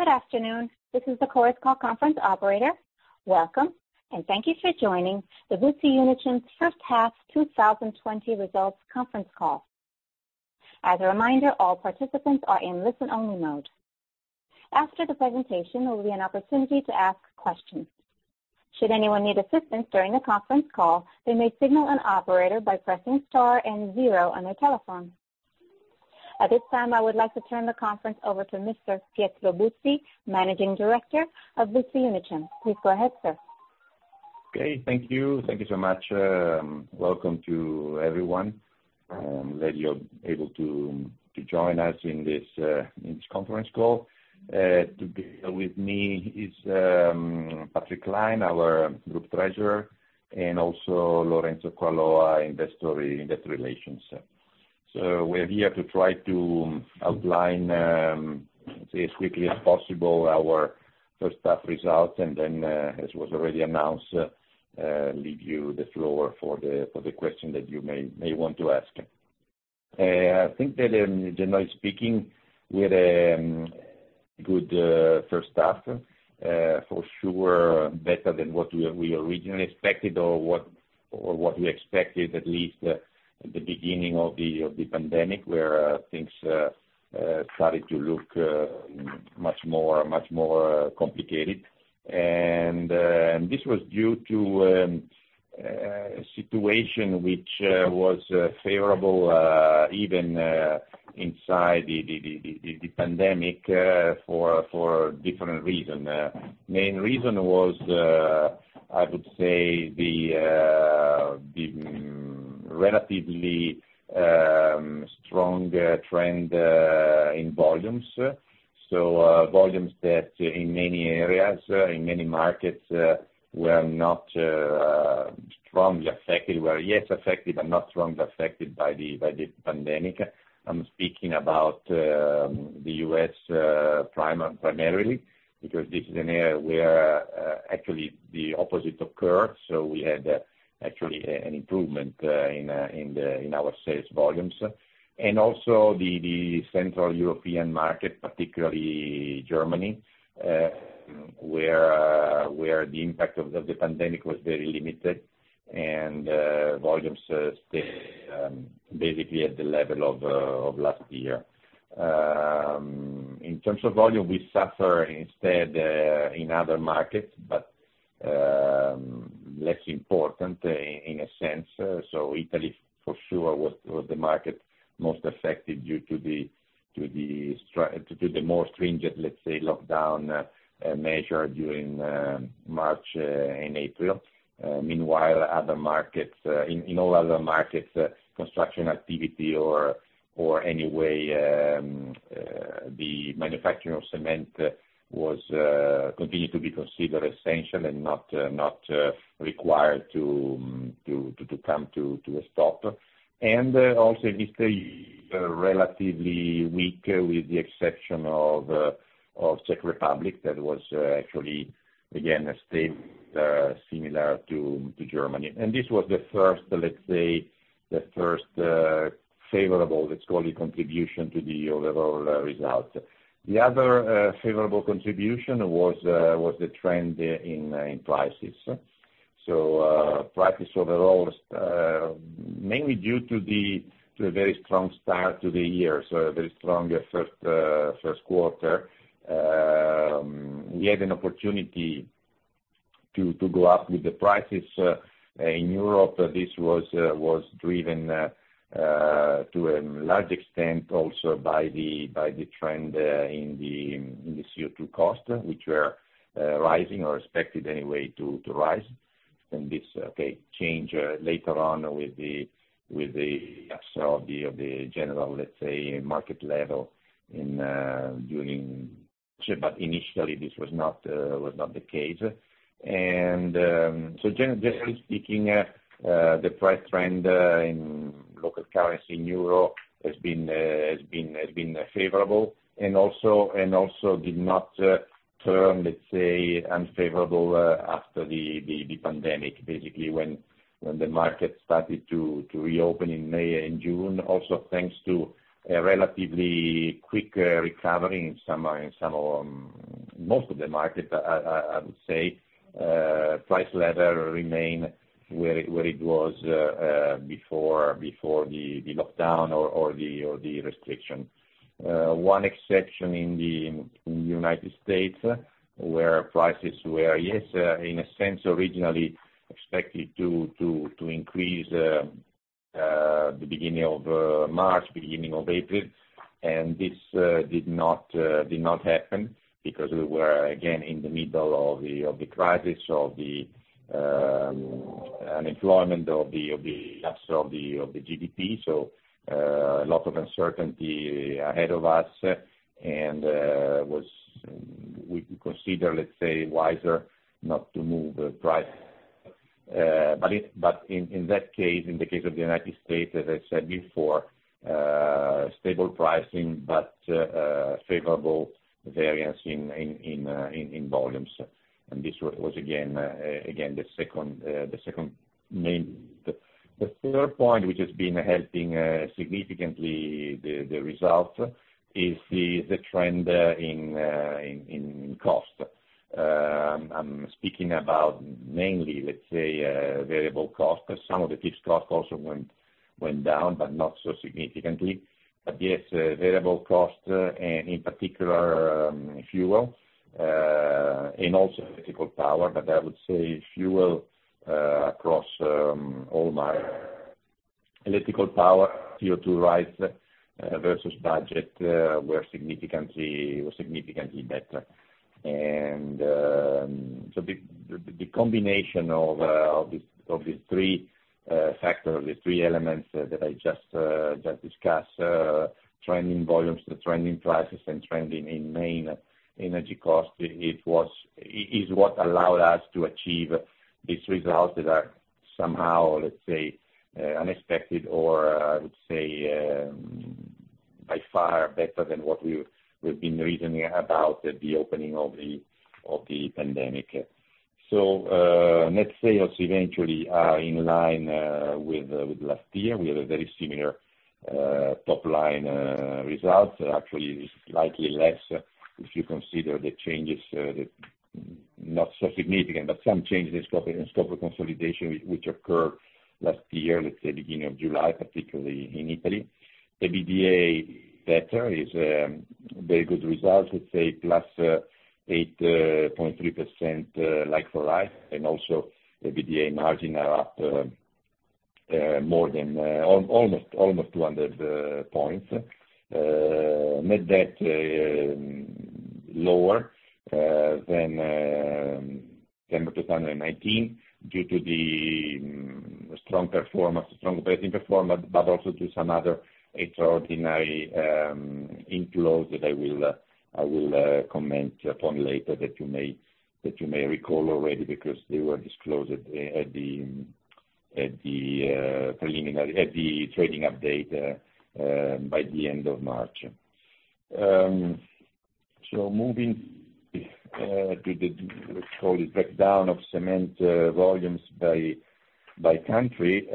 Good afternoon. This is the Chorus Call conference operator. Welcome, and thank you for joining the Buzzi Unicem's first half 2020 results conference call. As a reminder, all participants are in listen-only mode. After the presentation, there will be an opportunity to ask questions. Should anyone need assistance during the conference call, they may signal an operator by pressing star and zero on their telephone. At this time, I would like to turn the conference over to Mr. Pietro Buzzi, Managing Director of Buzzi Unicem. Please go ahead, sir. Okay. Thank you so much. Welcome to everyone. I'm glad you're able to join us in this conference call. Today with me is Patrick Klein, our Group Treasurer, and also Lorenzo Coaloa, Investor Relations. We're here to try to outline, as quickly as possible, our first half results, and then, as was already announced, leave you the floor for the question that you may want to ask. I think that, generally speaking, we had a good first half. For sure, better than what we originally expected, or what we expected at least at the beginning of the pandemic, where things started to look much more complicated. This was due to a situation which was favorable, even inside the pandemic, for different reasons. Main reason was, I would say, the relatively strong trend in volumes. Volumes that in many areas, in many markets, were not strongly affected. Were, yes, affected, but not strongly affected by the pandemic. I'm speaking about the U.S. primarily, because this is an area where actually the opposite occurred. We had, actually, an improvement in our sales volumes. The Central European market, particularly Germany, where the impact of the pandemic was very limited, and volumes stayed basically at the level of last year. In terms of volume, we suffer instead in other markets, but less important in a sense. Italy, for sure, was the market most affected due to the more stringent, let's say, lockdown measure during March and April. Meanwhile, in all other markets, construction activity or any way the manufacturing of cement continued to be considered essential and not required to come to a stop. It stayed relatively weak with the exception of Czech Republic, that was actually, again, stayed similar to Germany. This was the first, let's say, favorable, let's call it, contribution to the overall results. The other favorable contribution was the trend in prices. Prices overall, mainly due to the very strong start to the year. A very strong first quarter. We had an opportunity to go up with the prices. In Europe, this was driven to a large extent also by the trend in the CO2 cost, which were rising or expected, anyway, to rise. This, okay, change later on with the general, let's say, market level. But initially, this was not the case. Generally speaking, the price trend in local currency, euro, has been favorable, and also did not turn, let's say, unfavorable after the pandemic, basically, when the market started to reopen in May and June. Also, thanks to a relatively quick recovery in most of the markets, I would say, price level remain where it was before the lockdown or the restriction. One exception in the U.S., where prices were, yes, in a sense, originally expected to increase the beginning of March, beginning of April. This did not happen because we were, again, in the middle of the crisis, of the unemployment, of the loss of the GDP. A lot of uncertainty ahead of us, and we consider, let's say, wiser not to move the price. In that case, in the case of the U.S., as I said before, stable pricing, but favorable variance in volumes. This was, again, the third point, which has been helping significantly the result, is the trend in cost. I'm speaking about mainly, let's say, variable cost. Some of the fixed cost also went down, not so significantly. Yes, variable cost, in particular, fuel, also electrical power, I would say fuel across all my electrical power, CO2 rights versus budget was significantly better. The combination of the three factors, the three elements that I just discussed, trending volumes, the trending prices, and trending, in main, energy cost, is what allowed us to achieve these results that are somehow, let's say, unexpected or, I would say, by far better than what we've been reading about at the opening of the pandemic. Net sales eventually are in line with last year. We have a very similar top-line result. Actually, slightly less if you consider the changes, not so significant, some change in scope of consolidation which occurred last year, let's say beginning of July, particularly in Italy. The EBITDA better, is a very good result, let's say, +8.3% like for like. EBITDA margin are up almost 200 points. Net debt lower than December 2019 due to the strong operating performance, but also due to some other extraordinary inflows that I will comment upon later that you may recall already because they were disclosed at the trading update by the end of March. Moving to the breakdown of cement volumes by country.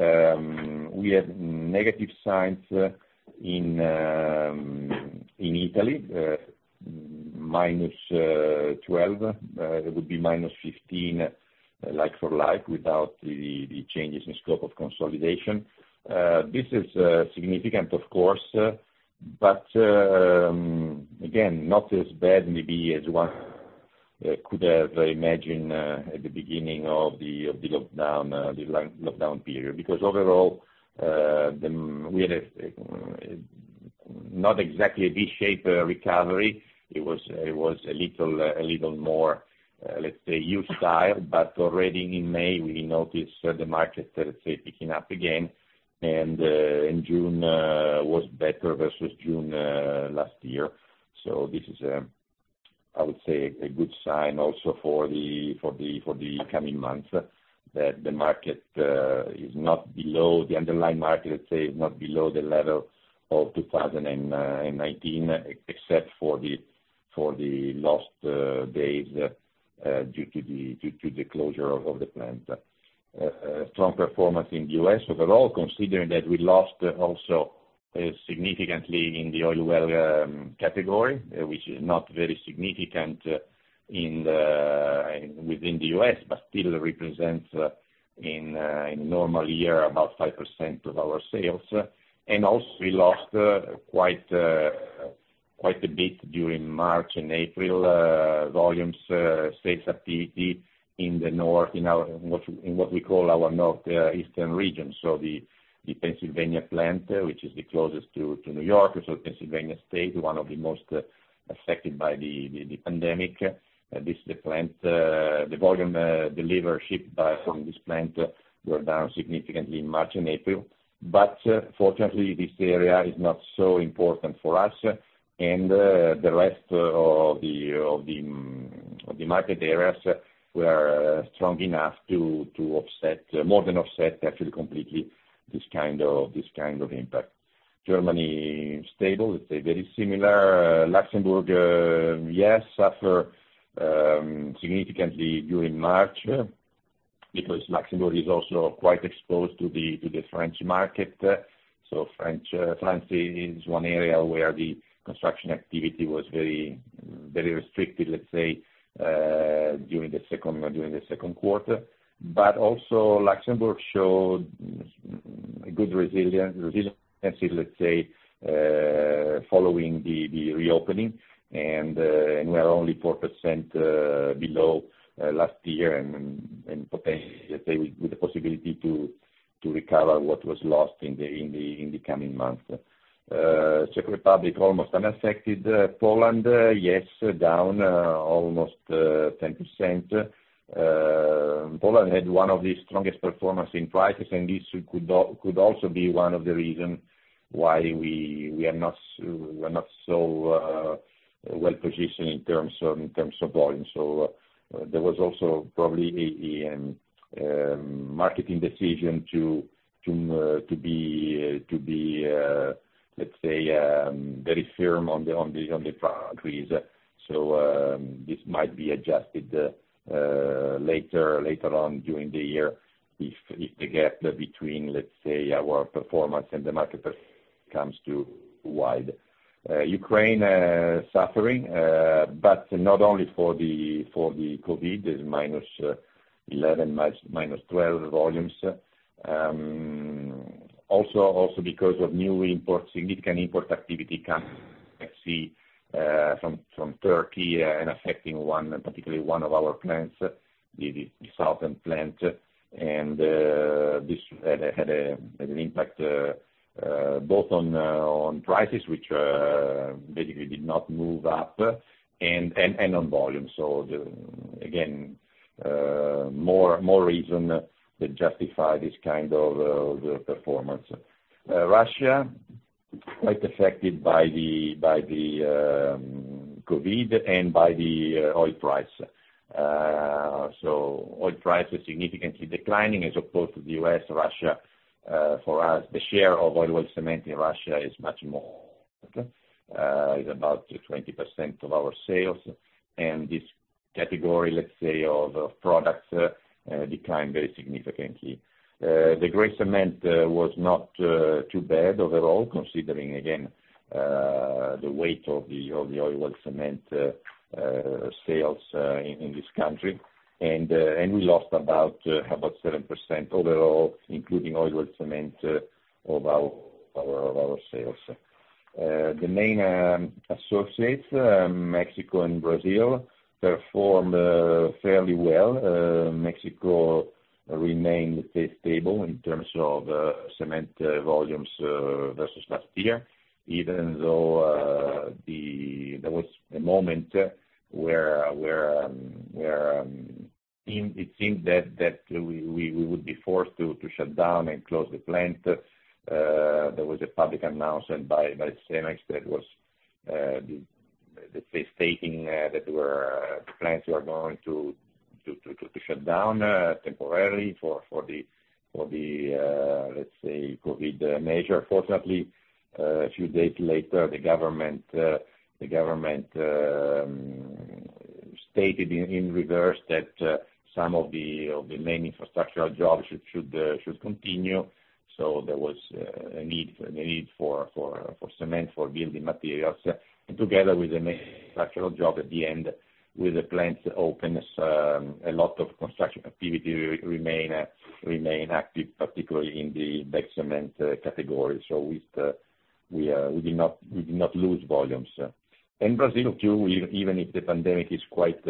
We had negative signs in Italy, minus 12. It would be minus 15 like for like without the changes in scope of consolidation. This is significant, of course, but again, not as bad maybe as one could have imagined at the beginning of the lockdown period. Overall, we had not exactly a V-shaped recovery. It was a little more, let's say, U style. Already in May, we noticed the market, let's say, picking up again, and June was better versus June last year. This is, I would say, a good sign also for the coming months, that the underlying market, let's say, is not below the level of 2019, except for the lost days due to the closure of the plant. A strong performance in U.S. overall, considering that we lost also significantly in the oil well category, which is not very significant within the U.S., but still represents in a normal year, about 5% of our sales. Also, we lost quite a bit during March and April, volumes, sales at PET in what we call our northeastern region. The Pennsylvania plant, which is the closest to New York. Pennsylvania State, one of the most affected by the pandemic. The volume delivery shipped from this plant were down significantly in March and April. Fortunately, this area is not so important for us. The rest of the market areas were strong enough to more than offset, actually, completely this kind of impact. Germany, stable, let's say, very similar. Luxembourg, yes, suffer significantly during March, because Luxembourg is also quite exposed to the French market. France is one area where the construction activity was very restricted, let's say, during the second quarter. Also Luxembourg showed a good resiliency, let's say, following the reopening. We are only 4% below last year, and potentially, let's say, with the possibility to recover what was lost in the coming months. Czech Republic, almost unaffected. Poland, yes, down almost 10%. Poland had one of the strongest performance in prices. This could also be one of the reason why we are not so well-positioned in terms of volume. There was also probably a marketing decision to be, let's say, very firm on the price. This might be adjusted later on during the year if the gap between, let's say, our performance and the market becomes too wide. Ukraine is suffering, not only for the COVID. There's -11, -12 volumes. Also because of new imports, significant import activity coming from Turkey and affecting particularly one of our plants, the southern plant. This had an impact both on prices, which basically did not move up, and on volume. Again, more reason to justify this kind of performance. Russia, quite affected by the COVID and by the oil price. Oil price was significantly declining as opposed to the U.S., Russia. For us, the share of oil well cement in Russia is much more. It's about 20% of our sales. This category, let's say, of products, declined very significantly. The gray cement was not too bad overall, considering, again, the weight of the oil well cement sales in this country. We lost about 7% overall, including oil well cement of our sales. The main associates, Mexico and Brazil, performed fairly well. Mexico remained stable in terms of cement volumes versus last year, even though there was a moment where it seemed that we would be forced to shut down and close the plant. There was a public announcement by Cemex that was the case, stating that the plants were going to shut down temporarily for the, let's say, COVID measure. Fortunately, a few days later, the government stated in reverse that some of the main infrastructural jobs should continue, so there was a need for cement, for building materials. Together with the structural job at the end, with the plants open, a lot of construction activity remain active, particularly in the bag cement category. We did not lose volumes. In Brazil, too, even if the pandemic is quite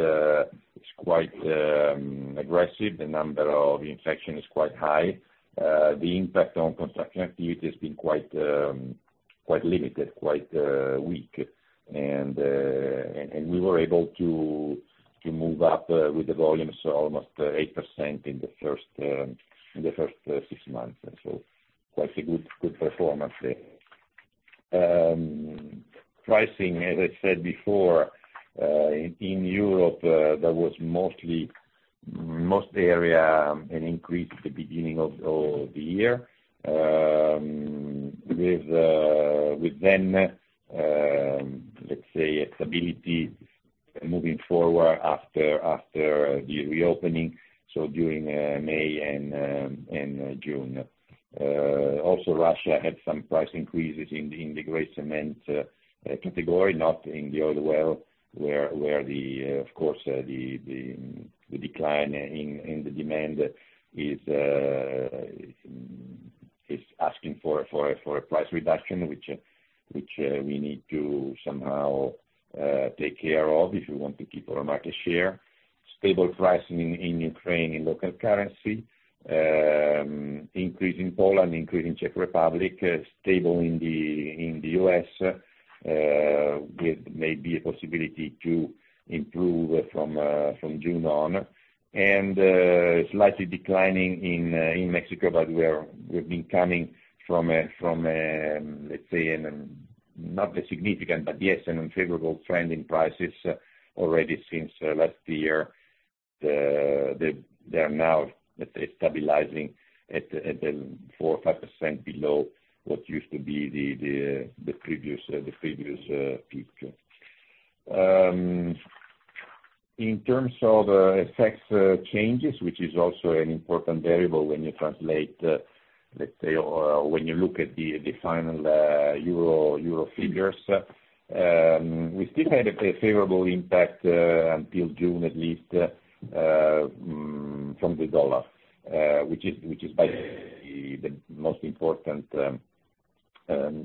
aggressive, the number of infection is quite high, the impact on construction activity has been quite limited, quite weak. We were able to move up with the volumes almost 8% in the first six months, quite a good performance there. Pricing, as I said before, in Europe, there was mostly most area an increase at the beginning of the year, with then, let's say, stability moving forward after the reopening, during May and June. Russia had some price increases in the gray cement category, not in the oil well, where, of course, the decline in the demand is asking for a price reduction, which we need to somehow take care of if we want to keep our market share. Stable pricing in Ukraine in local currency. Increase in Poland, increase in Czech Republic. Stable in the U.S., with maybe a possibility to improve from June on. Slightly declining in Mexico, but we've been coming from, let's say, not a significant, but yes, an unfavorable trend in prices already since last year. They are now, let's say, stabilizing at four or 5% below what used to be the previous peak. In terms of FX changes, which is also an important variable when you translate, let's say, or when you look at the final EUR figures. We still had a favorable impact, until June at least, from the dollar, which is by the most important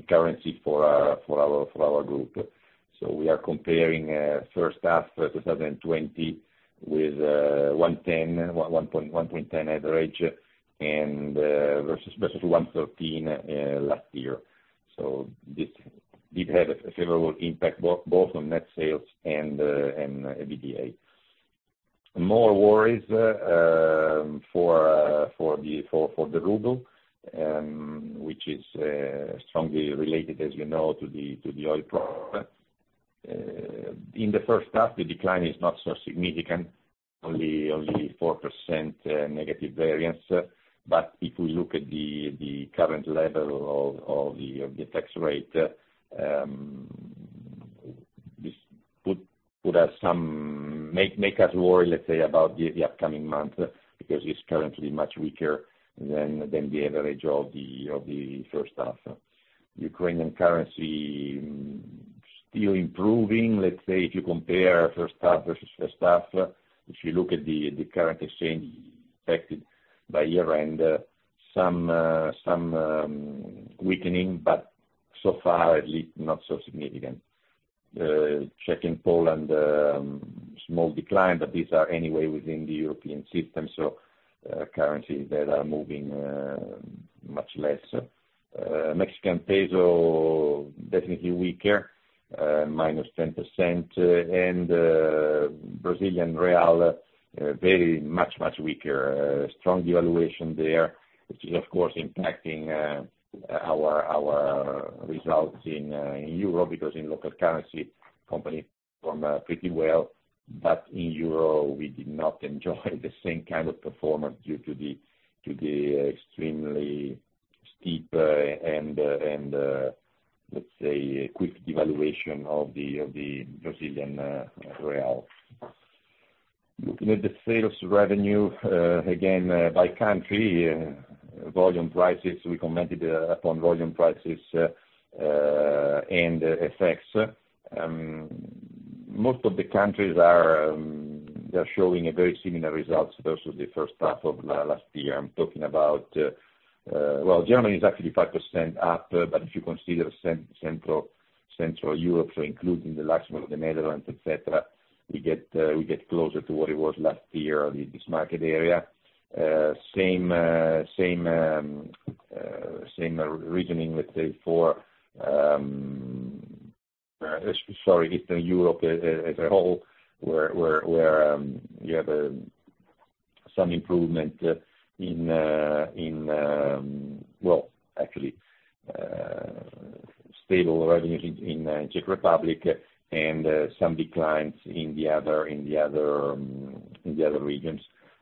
currency for our group. We are comparing first half 2020 with 1.10 average versus 1.13 last year. This did have a favorable impact both on net sales and EBITDA. More worries for the ruble, which is strongly related, as you know, to the oil price. In the first half, the decline is not so significant, only 4% negative variance. If we look at the current level of the tax rate. This would make us worry, let's say, about the upcoming months, because it's currently much weaker than the average of the first half. Ukrainian currency still improving, let's say, if you compare first half versus first half. If you look at the current exchange affected by year-end, some weakening, but so far, at least, not so significant. Czech and Poland, small decline, but these are anyway within the European system, so currencies that are moving much less. Mexican peso, definitely weaker, -10%, and Brazilian real, very much weaker. Strong devaluation there, which is, of course, impacting our results in EUR because in local currency, company perform pretty well. In EUR, we did not enjoy the same kind of performance due to the extremely steep and, let's say, quick devaluation of the Brazilian real. Looking at the sales revenue, again, by country, volume prices. We commented upon volume prices, and FX. Most of the countries are showing very similar results versus the first half of last year. Well, Germany is actually 5% up, but if you consider Central Europe, so including the Luxembourg, the Netherlands, et cetera, we get closer to what it was last year, this market area. Same reasoning, let's say, for Eastern Europe as a whole, where we have some improvement in-- Well, actually, stable revenues in Czech Republic and some declines in the other regions,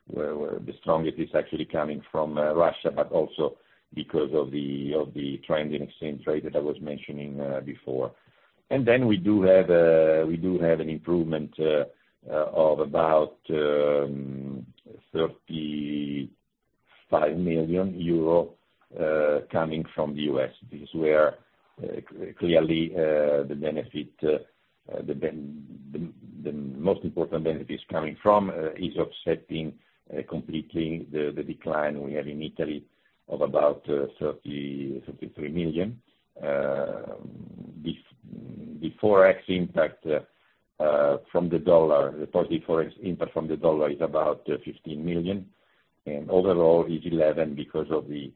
where the strongest is actually coming from Russia, but also because of the trend in exchange rate that I was mentioning before. We do have an improvement of about €35 million coming from the U.S. This is where, clearly, the most important benefit is coming from, is offsetting completely the decline we have in Italy of about 33 million. The positive Forex impact from the dollar is about $15 million, and overall is 11 million because of the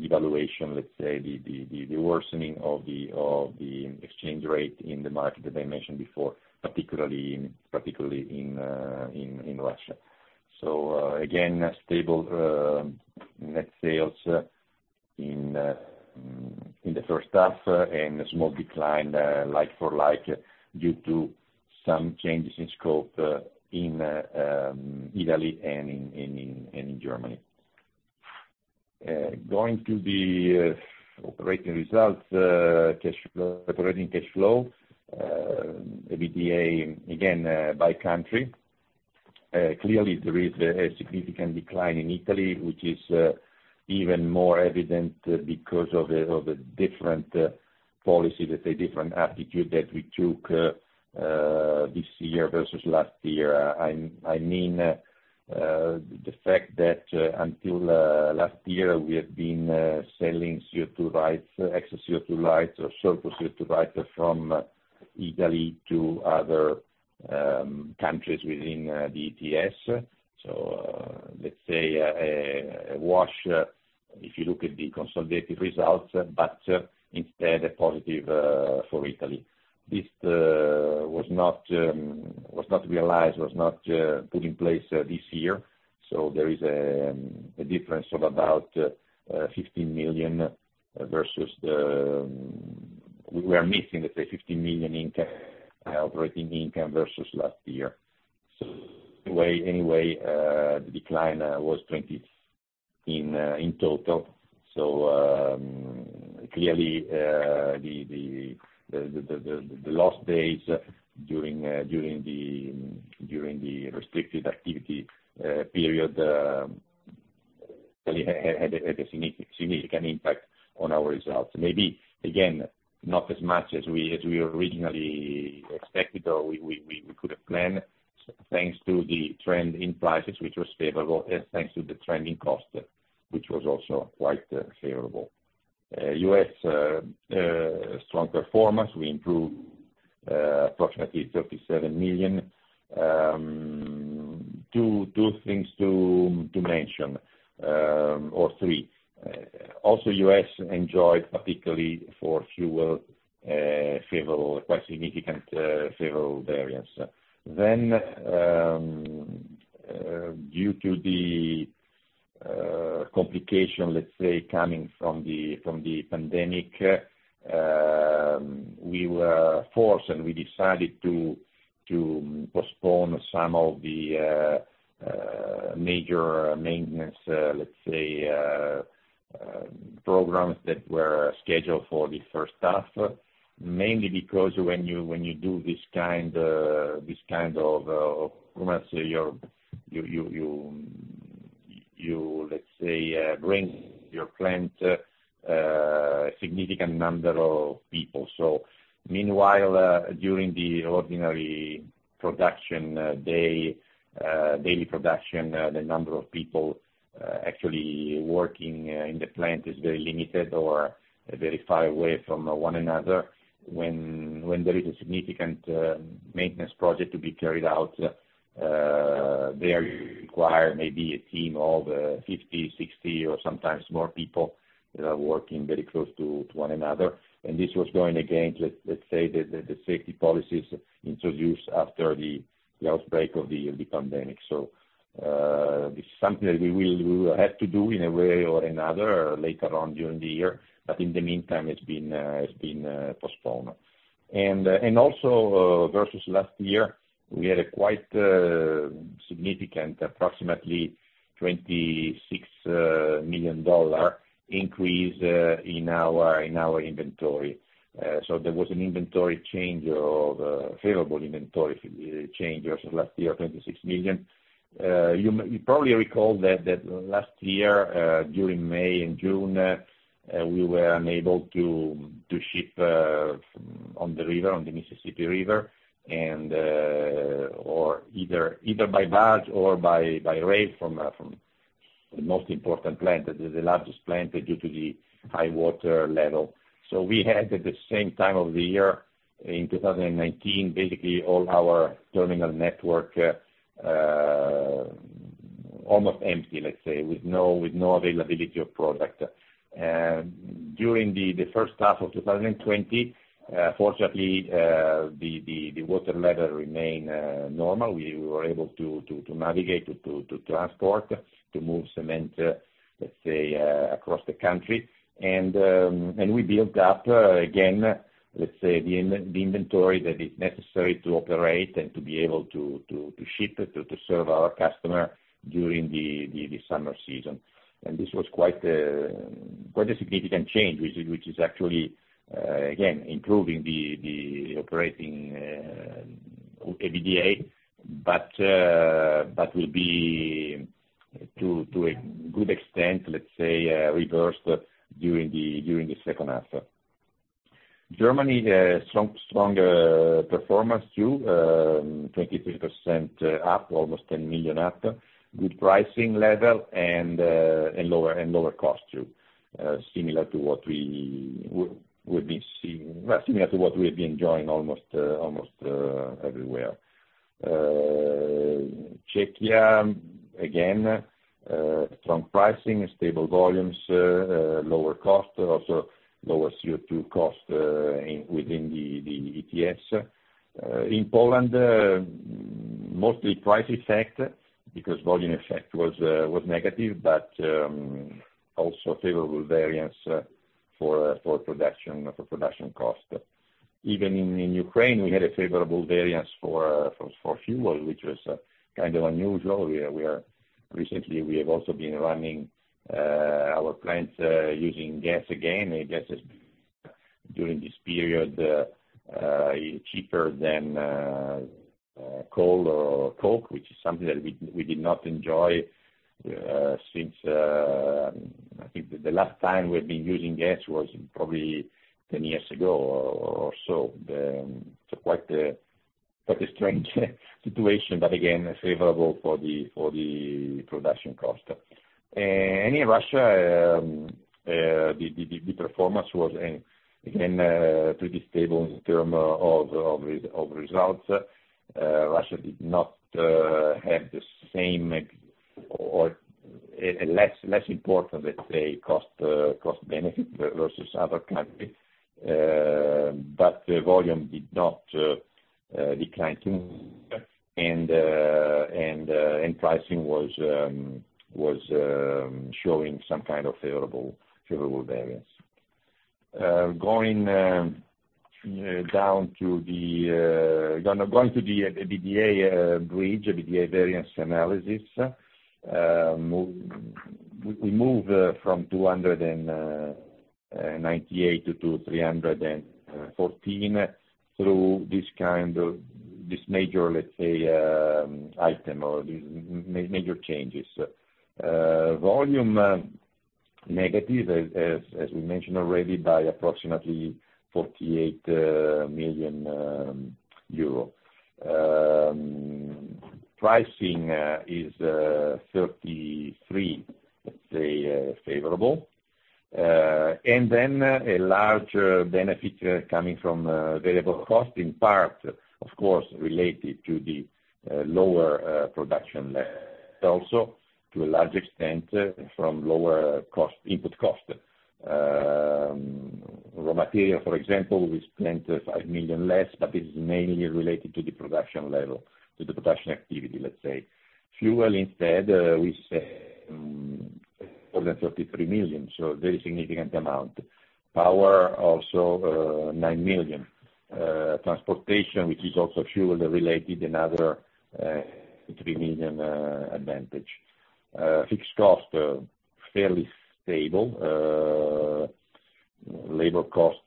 devaluation, let's say, the worsening of the exchange rate in the market that I mentioned before, particularly in Russia. Again, stable net sales in the first half and a small decline like-for-like due to some changes in scope in Italy and in Germany. Going to the operating results, operating cash flow. EBITDA, again, by country. Clearly, there is a significant decline in Italy, which is even more evident because of a different policy, let's say, a different attitude that we took this year versus last year. I mean, the fact that until last year, we had been selling excess CO2 rights or surplus CO2 rights from Italy to other countries within the ETS. Let's say, a wash, if you look at the consolidated results, but instead a positive for Italy. This was not realized, was not put in place this year. There is a difference of about 15 million. We are missing, let's say, 15 million operating income versus last year. The decline was EUR 20 in total. Clearly, the lost days during the restricted activity period really had a significant impact on our results. Maybe, again, not as much as we originally expected, or we could have planned, thanks to the trend in prices, which was favorable, and thanks to the trend in cost, which was also quite favorable. U.S., strong performance. We improved approximately 37 million. Two things to mention, or three. Also, U.S. enjoyed, particularly for fuel, quite significant favorable variance. Due to the complication, let's say, coming from the pandemic, we were forced, and we decided to postpone some of the major maintenance, let's say, programs that were scheduled for the first half. Meanwhile, during the ordinary production day, daily production, the number of people actually working in the plant is very limited or very far away from one another. When there is a significant maintenance project to be carried out, they require maybe a team of 50, 60, or sometimes more people working very close to one another. This was going against, let's say, the safety policies introduced after the outbreak of the pandemic. This is something that we will have to do in a way or another later on during the year. In the meantime, it's been postponed. Also versus last year, we had a quite significant, approximately $26 million increase in our inventory. There was an inventory change of, favorable inventory change versus last year, $26 million. You probably recall that last year, during May and June, we were unable to ship on the river, on the Mississippi River, either by barge or by rail from the most important plant, that is the largest plant, due to the high water level. We had, at the same time of the year in 2019, basically all our terminal network almost empty, let's say, with no availability of product. During the first half of 2020, fortunately, the water level remained normal. We were able to navigate, to transport, to move cement, let's say, across the country. We built up again, let's say, the inventory that is necessary to operate and to be able to ship, to serve our customer during the summer season. This was quite a significant change, which is actually, again, improving the operating EBITDA, but will be, to a good extent, let's say, reversed during the second half. Germany, strong performance too, 23% up, almost 10 million up. Good pricing level and lower cost too. Similar to what we have been enjoying almost everywhere. Czechia, again, strong pricing, stable volumes, lower cost, also lower CO2 cost within the ETS. In Poland, mostly price effect because volume effect was negative, but also favorable variance for production cost. Even in Ukraine, we had a favorable variance for fuel, which was kind of unusual. Recently, we have also been running our plant using gas again. Gas is, during this period, cheaper than coal or coke, which is something that we did not enjoy since I think the last time we've been using gas was probably 10 years ago or so. It's quite a strange situation, but again, favorable for the production cost. In Russia, the performance was, again, pretty stable in term of results. Russia did not have the same, or a less important, let's say, cost benefit versus other countries. Volume did not decline too and pricing was showing some kind of favorable variance. Going to the EBITDA bridge, EBITDA variance analysis. We move from 298 to 314 through this major, let's say, item or these major changes. Volume negative, as we mentioned already, by approximately 48 million euro. Pricing is 33, let's say, favorable. A large benefit coming from variable cost, in part, of course, related to the lower production level, but also, to a large extent, from lower input cost. Raw material, for example, we spent 5 million less, but this is mainly related to the production level, to the production activity, let's say. Fuel, instead, we spent more than 33 million, so very significant amount. Power, also 9 million. Transportation, which is also fuel related, another 3 million advantage. Fixed cost, fairly stable. Labor cost,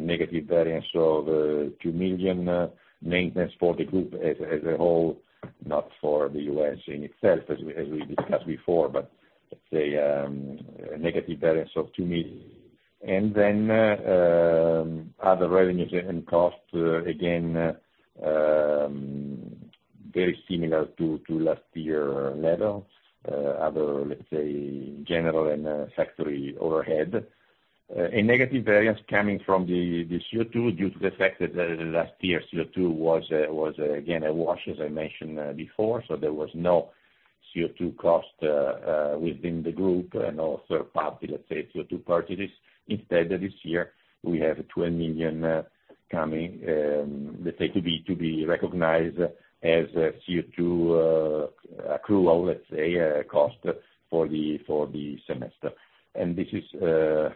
negative variance of 2 million. Maintenance for the group as a whole, not for the U.S. in itself, as we discussed before, but let's say, a negative variance of 2 million. Other revenues and costs, again, very similar to last year level. Other, let's say, general and factory overhead. A negative variance coming from the CO2 due to the fact that last year's CO2 was, again, a wash, as I mentioned before, so there was no CO2 cost within the group and also party, let's say, CO2 [parties]. This year, we have 20 million coming, let's say, to be recognized as CO2 accrual, let's say, cost for the semester. This is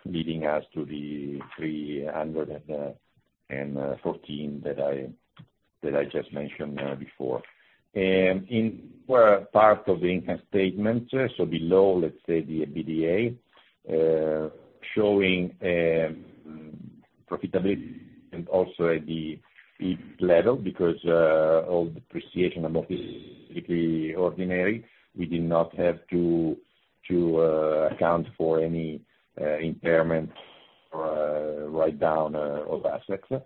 leading us to the 314 that I just mentioned before. In part of the income statement, so below, let's say, the EBITDA, showing profitability and also at the EBIT level because all depreciation and amortization is pretty ordinary. We did not have to account for any impairment, write down of assets. As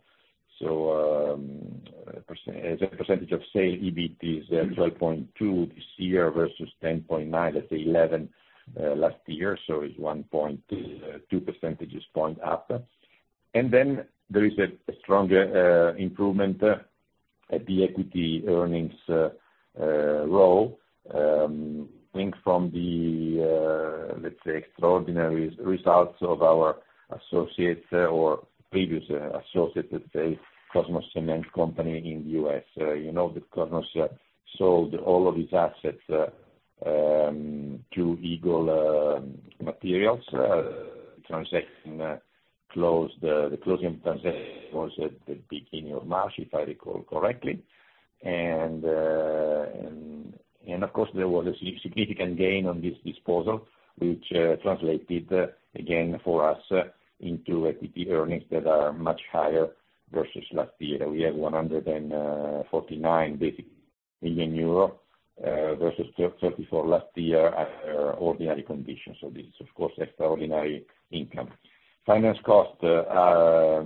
a percentage of sale, EBIT is 12.2% this year versus 10.9%, let's say, 11% last year. It's 1.2 percentages point up. There is a stronger improvement at the equity earnings row, coming from the, let's say, extraordinary results of our associates or previous associates, let's say, Kosmos Cement Company in the U.S. You know that Kosmos sold all of its assets to Eagle Materials. The closing transaction was at the beginning of March, if I recall correctly. Of course, there was a significant gain on this disposal, which translated again for us into equity earnings that are much higher versus last year. We have 149 million euro versus 34 million last year at ordinary conditions. This is, of course, extraordinary income. Finance costs are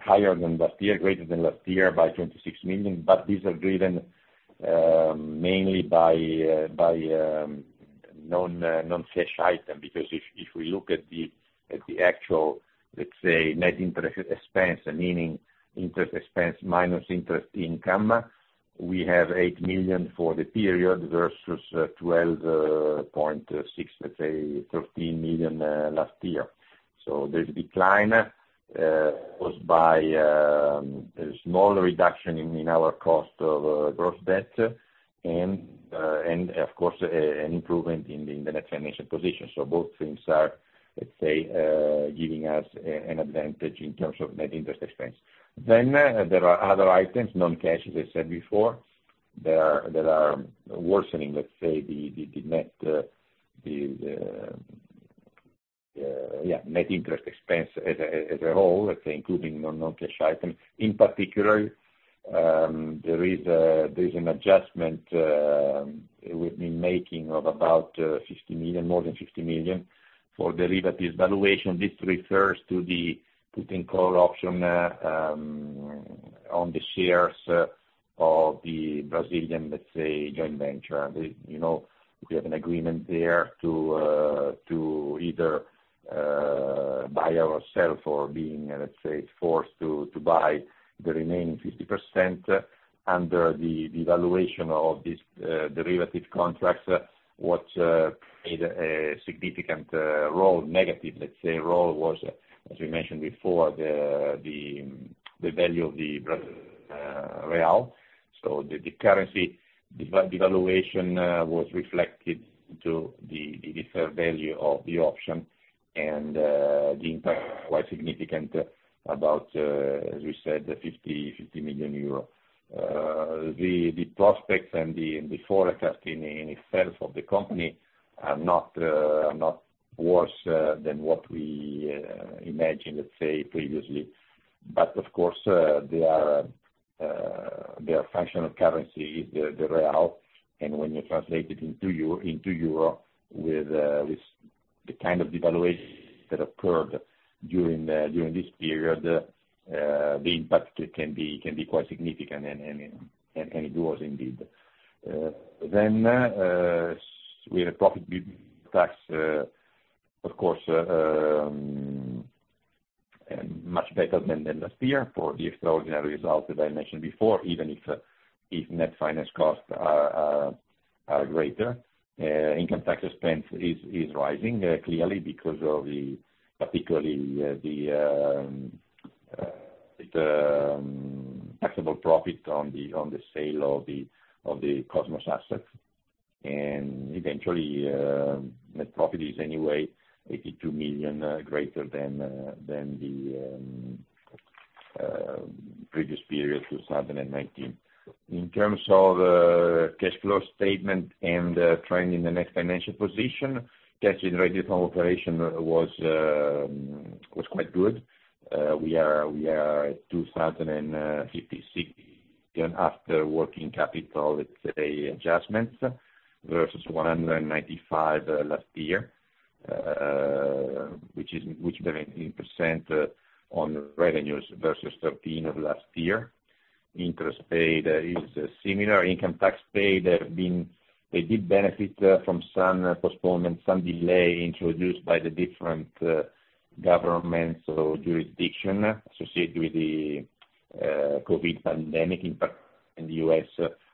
higher than last year, greater than last year by $26 million, but these are driven mainly by non-cash item, because if we look at the actual, let's say, net interest expense, meaning interest expense minus interest income, we have 8 million for the period versus 12.6 million, let's say, 13 million last year. There's a decline caused by a small reduction in our cost of gross debt and, of course, an improvement in the net financial position. Both things are, let's say, giving us an advantage in terms of net interest expense. There are other items, non-cash, as I said before, that are worsening, let's say, the net interest expense as a whole, let's say, including non-cash item. In particular, there is an adjustment we've been making of about 50 million, more than 50 million for derivatives valuation. This refers to the put and call option on the shares of the Brazilian, let's say, joint venture. You know we have an agreement there to either buy ourself or being, let's say, forced to buy the remaining 50% under the valuation of these derivative contracts. What played a significant role, negative, let's say, role was, as we mentioned before, the value of the Brazilian real. The currency devaluation was reflected to the different value of the option, and the impact quite significant, about, as we said, €50 million. The prospects and the forecast in itself of the company are not worse than what we imagined, let's say, previously. Of course, they are functional currency, the Brazilian real, and when you translate it into EUR with the kind of devaluation that occurred during this period, the impact can be quite significant, and it was indeed. We had a profit before tax, of course, much better than last year for the extraordinary results that I mentioned before, even if net finance costs are greater. Income tax expense is rising, clearly because of the particularly the taxable profit on the sale of the Kosmos assets, and eventually, net profit is anyway 82 million, greater than the previous period, 2019. In terms of cash flow statement and trend in the net financial position, cash generated from operation was quite good. We are at 2,056 million after working capital, let's say, adjustments, versus 195 last year, which is 19% on revenues versus 13 of last year. Interest paid is similar. Income tax paid, they did benefit from some postponement, some delay introduced by the different governmental jurisdiction associated with the COVID-19 pandemic impact in the U.S.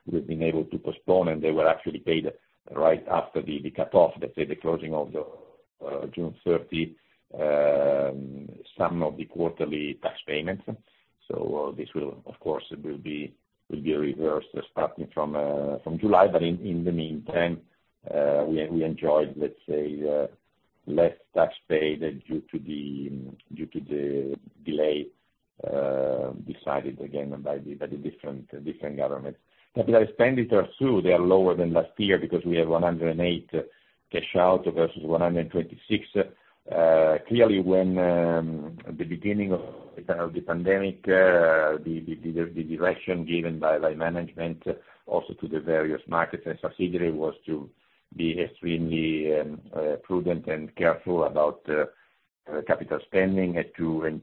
We've been able to postpone, and they were actually paid right after the cutoff, let's say, the closing of the June 30, some of the quarterly tax payments. This will, of course, will be reversed starting from July. In the meantime, we enjoyed, let's say, less tax paid due to the delay, decided again by the different governments. Capital expenditures, too, they are lower than last year because we have 108 cash out versus 126. Clearly, at the beginning of the pandemic, the direction given by management, also to the various markets at [Sacyr], was to be extremely prudent and careful about capital spending and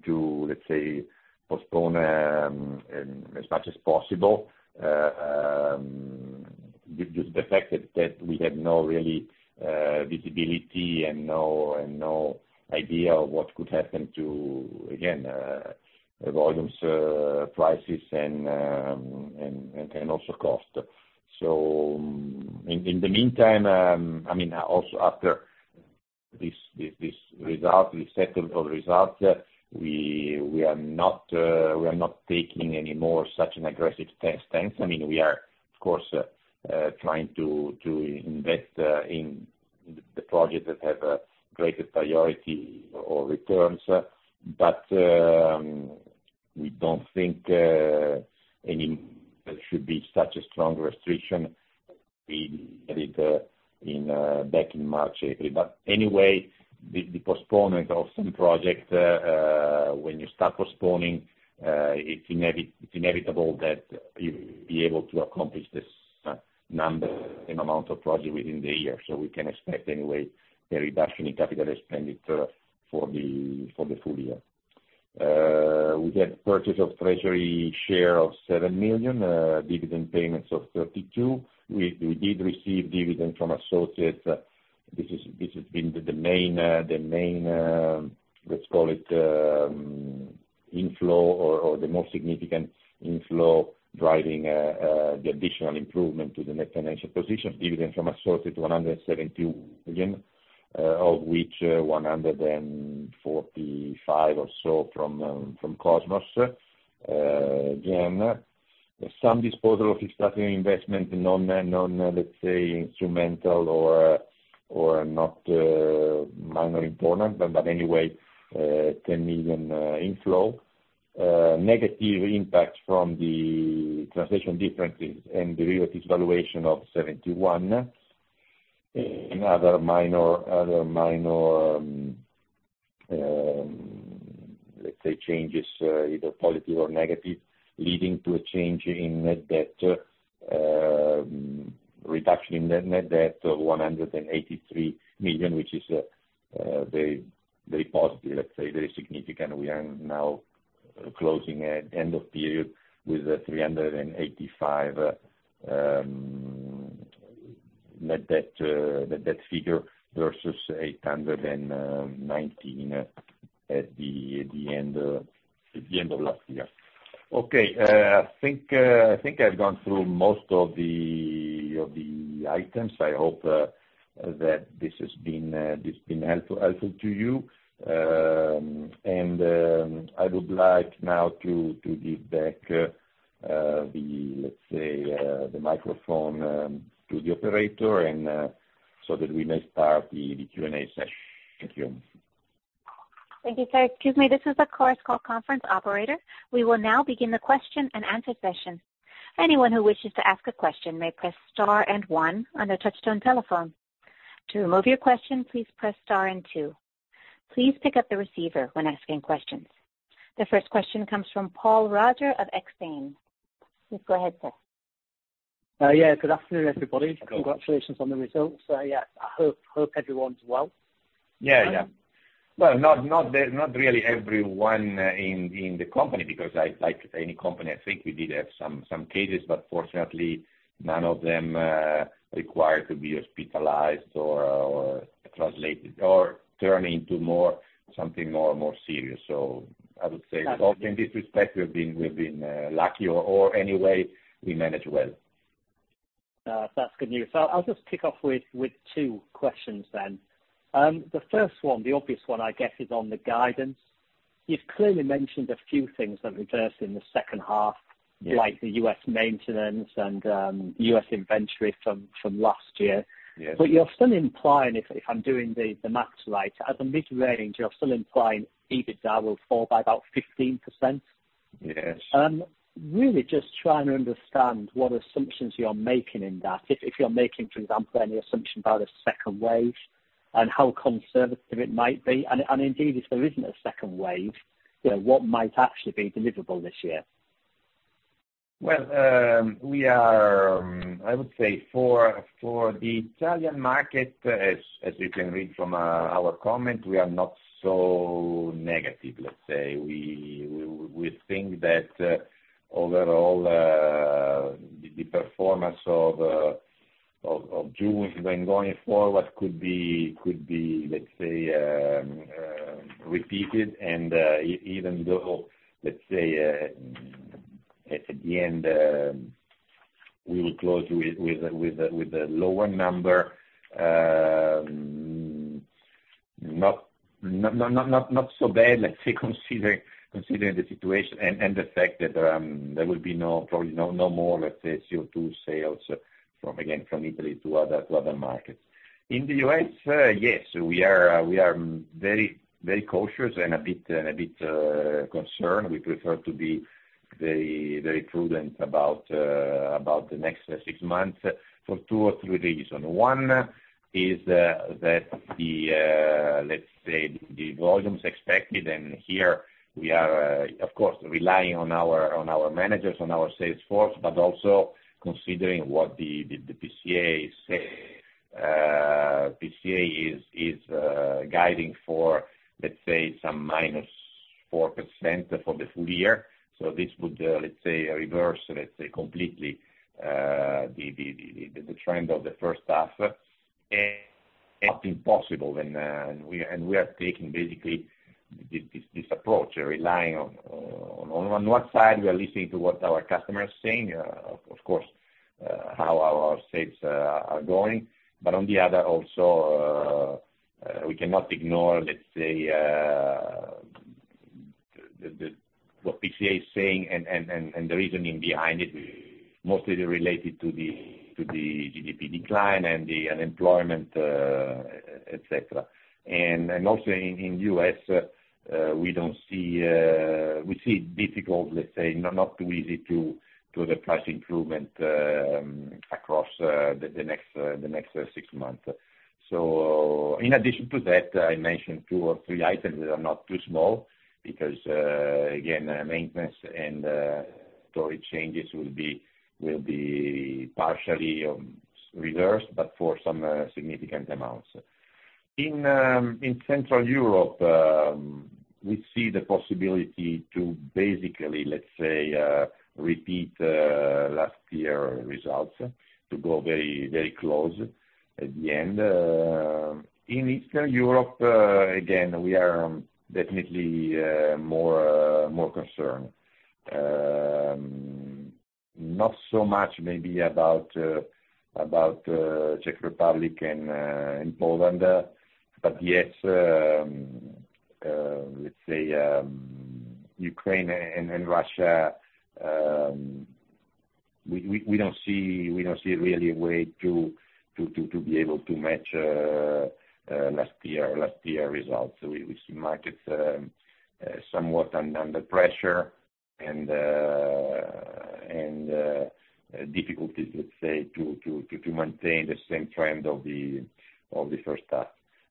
to, let's say, postpone as much as possible, due to the fact that we had no really visibility and no idea what could happen to, again, volumes, prices, and also cost. In the meantime, also after this set of results, we are not taking any more such an aggressive stance. We are, of course, trying to invest in the projects that have a greater priority or returns, but we don't think there should be such a strong restriction. We had it back in March, April. Anyway, the postponement of some projects, when you start postponing, it's inevitable that you will be able to accomplish this number, same amount of projects within the year. We can expect, anyway, a reduction in capital expenditure for the full year. We had purchase of treasury share of 7 million, dividend payments of 32 million. We did receive dividend from associates. This has been the main, let's call it, inflow or the most significant inflow driving the additional improvement to the net financial position. Dividend from associates, 172 million, of which 145 million or so from Kosmos. Again, some disposal of investment, non, let's say, instrumental or not minor important, but anyway, 10 million inflow. Negative impact from the translation differences and derivatives valuation of 71 million. Other minor, let's say, changes, either positive or negative, leading to a change in net debt. Reduction in net debt of 183 million, which is very positive, let's say, very significant. We are now closing at end of period with a 385 net debt figure versus 819 at the end of last year. Okay. I think I've gone through most of the items. I hope that this has been helpful to you. I would like now to give back the, let's say, the microphone to the operator so that we may start the Q&A session. Thank you. Thank you, sir. Excuse me, this is the Chorus Call conference operator. We will now begin the question and answer session. Anyone who wishes to ask a question may press star and one on their touchtone telephone. To remove your question, please press star and two. Please pick up the receiver when asking questions. The first question comes from Paul Roger of Exane. Please go ahead, sir. Yeah. Good afternoon, everybody. Of course. Congratulations on the results. Yeah, I hope everyone's well. Yeah. Well, not really everyone in the company, because like any company, I think we did have some cases, but fortunately, none of them required to be hospitalized or turn into something more serious. I would say in this respect, we've been lucky, or any way, we manage well. That's good news. I'll just kick off with two questions then. The first one, the obvious one, I guess, is on the guidance. You've clearly mentioned a few things that reverse in the second half. Yes. Like the U.S. maintenance and U.S. inventory from last year. Yes. You're still implying, if I'm doing the math right, at the mid-range, you're still implying EBITDA will fall by about 15%. Yes. Really just trying to understand what assumptions you're making in that. If you're making, for example, any assumption about a second wave and how conservative it might be, and indeed, if there isn't a second wave, what might actually be deliverable this year? Well, I would say for the Italian market, as you can read from our comment, we are not so negative, let's say. We think that, overall, the performance of June, when going forward, could be, let's say, repeated, and even though, let's say, at the end, we will close with a lower number. Not so bad, let's say, considering the situation and the fact that there will be probably no more, let's say, CO2 sales, again, from Italy to other markets. In the U.S., yes, we are very cautious and a bit concerned. We prefer to be very prudent about the next six months for two or three reasons. One is that, let's say, the volumes expected, and here we are, of course, relying on our managers, on our sales force, but also considering what the PCA is guiding for, let's say, some -4% for the full year. This would, let's say, reverse completely the trend of the first half. It's impossible, and we are taking basically this approach, relying on what side we are listening to what our customers are saying, of course, how our sales are going. On the other, also, we cannot ignore, let's say, what PCA is saying and the reasoning behind it, mostly related to the GDP decline and the unemployment, et cetera. Also, in the U.S., we see it difficult, let's say, not too easy to do the price improvement across the next six months. In addition to that, I mentioned two or three items that are not too small because, again, maintenance and storage changes will be partially reversed, but for some significant amounts. In Central Europe, we see the possibility to basically, let's say, repeat last year results, to go very close at the end. In Eastern Europe, again, we are definitely more concerned. Not so much maybe about Czech Republic and Poland, but yes, let's say, Ukraine and Russia, we don't see really a way to be able to match last year results. We see markets somewhat under pressure and difficulties, let's say, to maintain the same trend of the first half.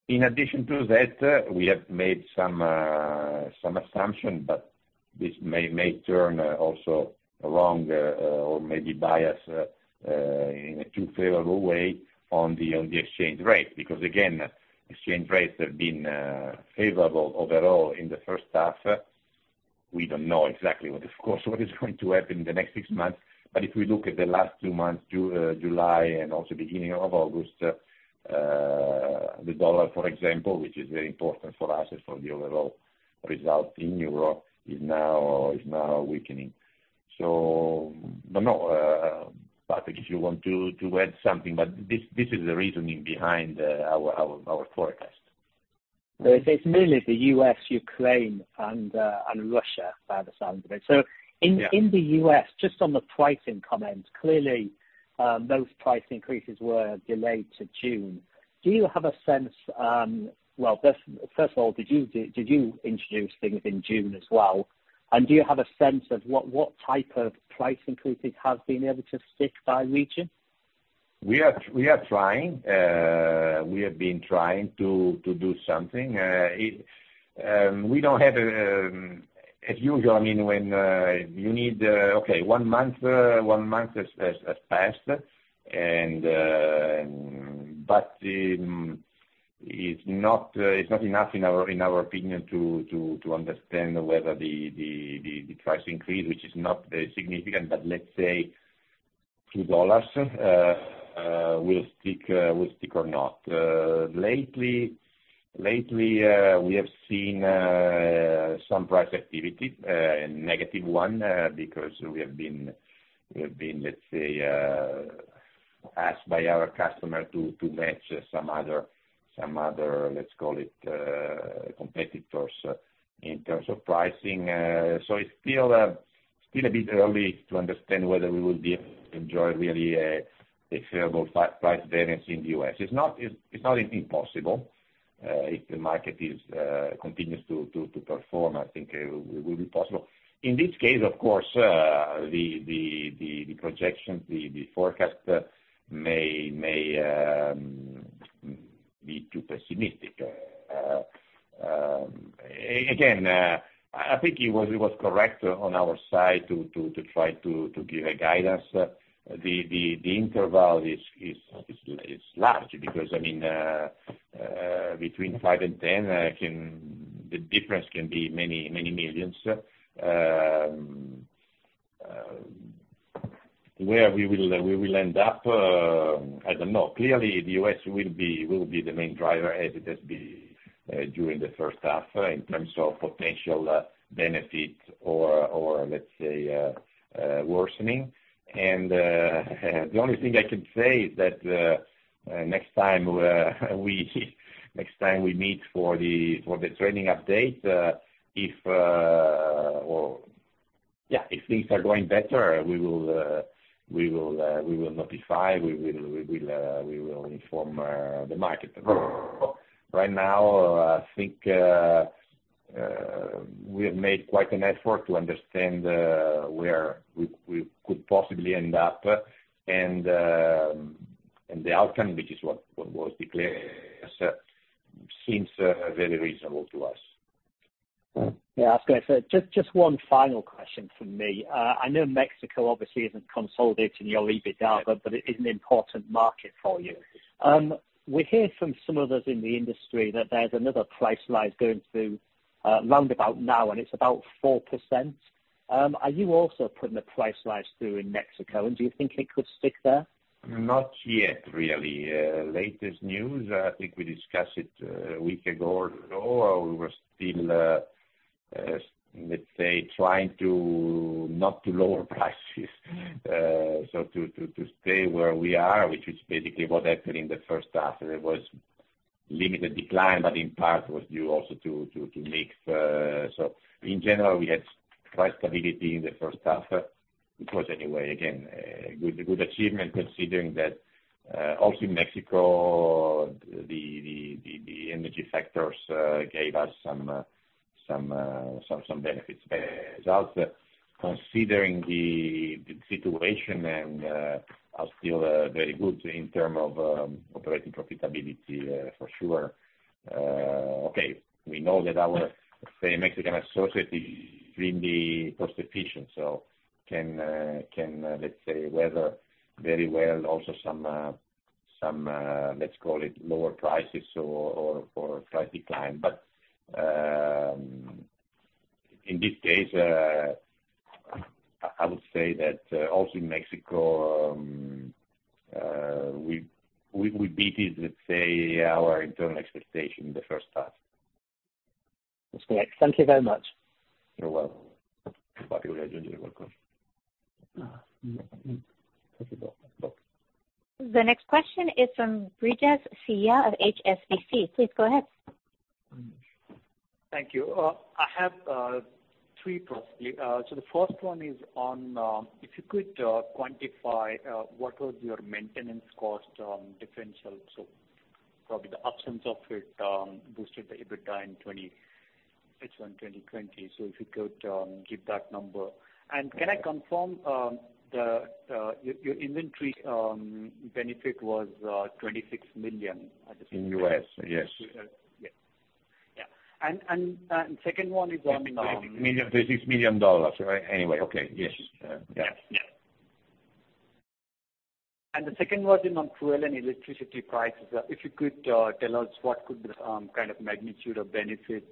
In addition to that, we have made some assumption, but this may turn also wrong or may be biased in a too favorable way on the exchange rate. Again, exchange rates have been favorable overall in the first half. We don't know exactly what, of course, what is going to happen in the next six months. If we look at the last two months, July and also beginning of August, the dollar, for example, which is very important for us for the overall result in Europe, is now weakening. I don't know, Patrick, if you want to add something, but this is the reasoning behind our forecast. It's merely the U.S., Ukraine, and Russia, by the sound of it. Yeah. In the U.S., just on the pricing comment, clearly, those price increases were delayed to June. Well, first of all, did you introduce things in June as well? Do you have a sense of what type of price increases have been able to stick by region? We are trying. We have been trying to do something. We don't have, as usual, I mean, when you need Okay, one month has passed, but it's not enough, in our opinion, to understand whether the price increase, which is not very significant, but let's say a few dollars, will stick or not. Lately, we have seen some price activity, a negative one, because we have been, let's say, asked by our customer to match some other, let's call it, competitors in terms of pricing. It's still a bit early to understand whether we will be able to enjoy really a favorable price variance in the U.S. It's not impossible. If the market continues to perform, I think it will be possible. In this case, of course, the projections, the forecast may be too pessimistic. I think it was correct on our side to try to give a guidance. The interval is large because, between five and 10, the difference can be many millions. Where we will end up, I don't know. Clearly, the U.S. will be the main driver, as it has been during the first half, in terms of potential benefit or, let's say, worsening. The only thing I can say is that next time we meet for the trading update, if things are going better, we will notify, we will inform the market. Right now, I think we have made quite an effort to understand where we could possibly end up, and the outcome, which is what was declared, seems very reasonable to us. Yeah, that's great. Just one final question from me. I know Mexico obviously isn't consolidating your EBITDA. Yeah It is an important market for you. We hear from some others in the industry that there's another price rise going through roundabout now, and it's about 4%. Are you also putting a price rise through in Mexico, and do you think it could stick there? Not yet, really. Latest news, I think we discussed it a week ago or so, we were still, let's say, trying not to lower prices. To stay where we are, which is basically what happened in the first half. There was limited decline, but in part, it was due also to mix. In general, we had price stability in the first half. It was, anyway, again, a good achievement considering that also in Mexico, the energy factors gave us some benefits. Results, considering the situation, are still very good in term of operating profitability, for sure. Okay, we know that our, let's say, Mexican associate is really cost efficient, so can weather very well also some, let's call it, lower prices or price decline. In this case, I would say that also in Mexico, we beated our internal expectation the first half. That's great. Thank you very much. You're welcome. The next question is from Brijesh Siya of HSBC. Please go ahead. Thank you. I have three, possibly. The first one is on, if you could quantify, what was your maintenance cost differential? Probably the absence of it boosted the EBITDA in H1 2020. If you could give that number. Can I confirm your inventory benefit was $26 million? In U.S., yes. Yeah. $26 million. Anyway, okay. Yes. Yeah. The second one is on fuel and electricity prices. If you could tell us what could the kind of magnitude of benefit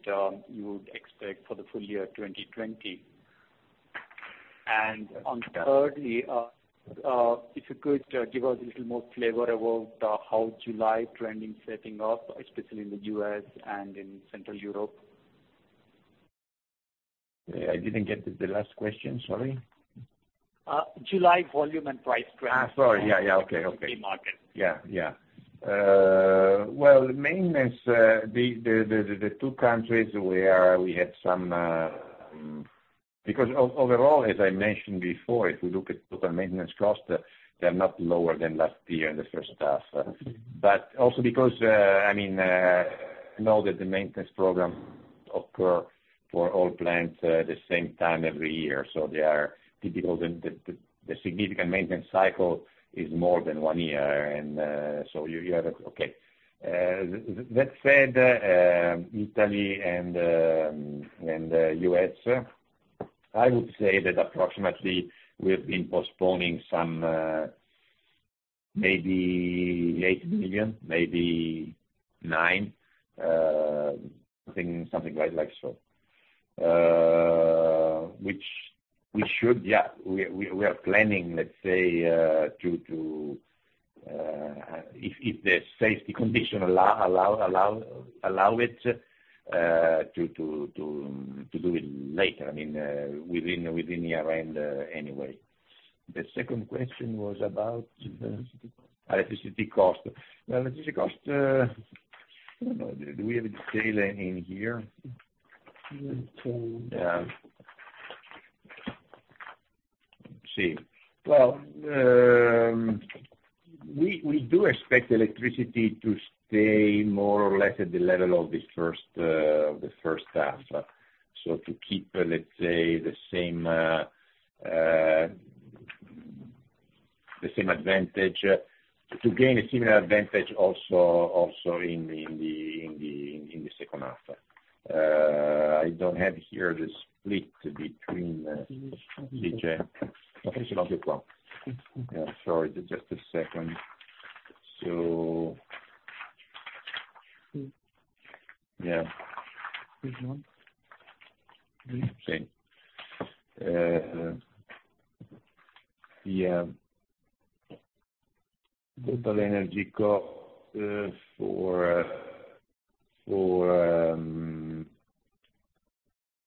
you would expect for the full year 2020. On thirdly, if you could give us a little more flavor about how July trending setting up, especially in the U.S. and in Central Europe. I didn't get the last question. Sorry. July volume and price trends. sorry. Yeah. Okay in the market. Well, maintenance. Because overall, as I mentioned before, if you look at total maintenance costs, they're not lower than last year in the first half. Also because, you know that the maintenance program occur for all plants the same time every year. They are typical. The significant maintenance cycle is more than one year. Okay. That said, Italy and U.S., I would say that approximately, we've been postponing some maybe 8 million, maybe 9 million. Something right like so. Which we should, yeah. We are planning toIf the safety condition allow it, to do it later, within year-end anyway. The second question was about the electricity cost. Well, electricity cost, I don't know. Do we have it detailed in here? Let me check. Yeah. Let's see. Well, we do expect electricity to stay more or less at the level of the first half. To keep, let's say, the same advantage, to gain a similar advantage also in the second half. I don't have here the split between [CJ]. Sorry. Just a second. Total energy cost for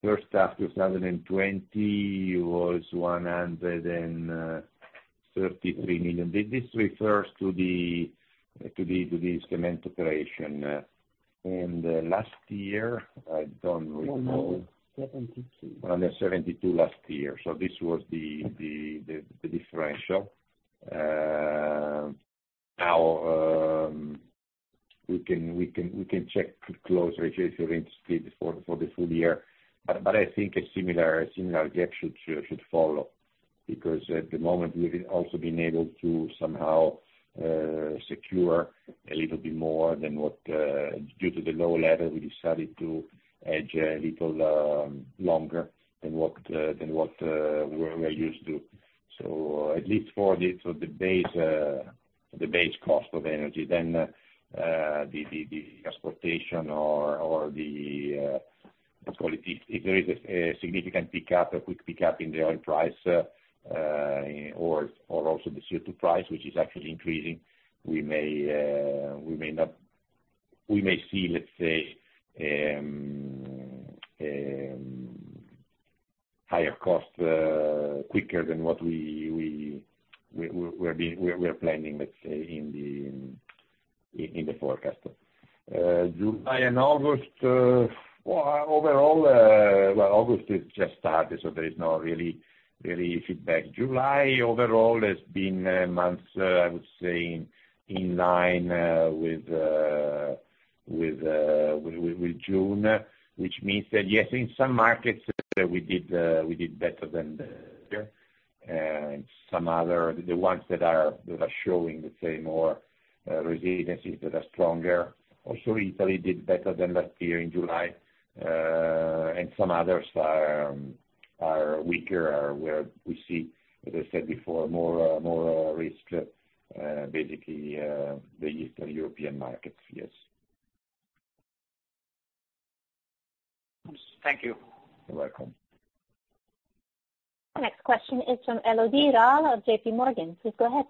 first half 2020 was 133 million. This refers to the cement operation. Last year, I don't recall. 172. 172 last year. This was the differential. Now, we can check closer if you're interested for the full year. I think a similar gap should follow, because at the moment, we've also been able to somehow secure a little bit more. Due to the low level, we decided to hedge a little longer than what we were used to. At least for the base cost of energy, then the transportation or the, let's call it, if there is a significant pick up, a quick pick up in the oil price, or also the CO2 price, which is actually increasing, we may see, let's say, higher costs quicker than what we're planning, let's say, in the forecast. July and August, well, August just started, so there is no really feedback. July overall has been a month, I would say, in line with June, which means that, yes, in some markets, we did better than the year. Some other, the ones that are showing, let's say, more resiliency, that are stronger. Italy did better than last year in July. Some others are weaker, where we see, as I said before, more risk. Basically, the Eastern European markets. Yes. Thank you. You're welcome. Next question is from Elodie Rall of JP Morgan. Please go ahead.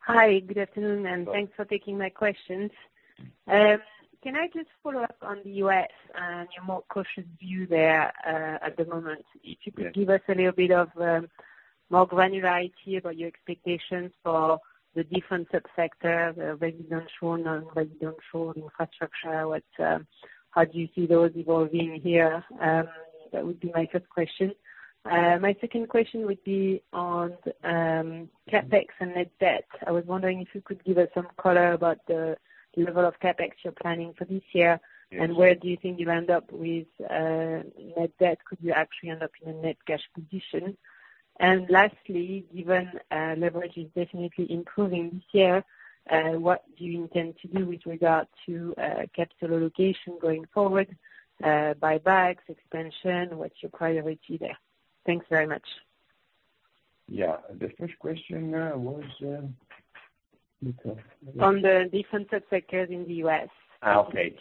Hi. Good afternoon, and thanks for taking my questions. Can I just follow up on the U.S., and your more cautious view there at the moment? Yeah. If you could give us a little bit of more granularity about your expectations for the different sub-sectors, residential, non-residential, infrastructure. How do you see those evolving here? That would be my first question. My second question would be on CapEx and net debt. I was wondering if you could give us some color about the level of CapEx you're planning for this year. Yes. Where do you think you end up with net debt? Could you actually end up in a net cash position? Lastly, given leverage is definitely improving this year, what do you intend to do with regard to capital allocation going forward? Buybacks, expansion, what's your priority there? Thanks very much. Yeah. The first question was? On the different sub-sectors in the U.S. Okay.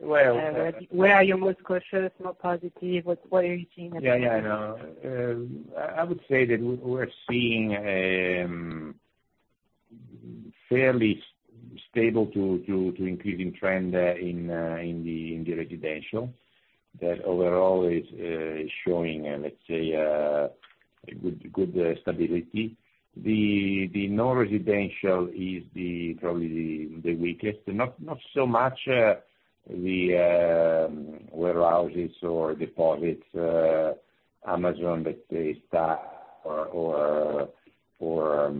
Where are you most cautious, more positive? What are you seeing at the moment? Yeah, I know. I would say that we're seeing fairly stable to increasing trend in the residential. That overall is showing, let's say, a good stability. The non-residential is probably the weakest. Not so much the warehouses or deposits, Amazon, let's say, or,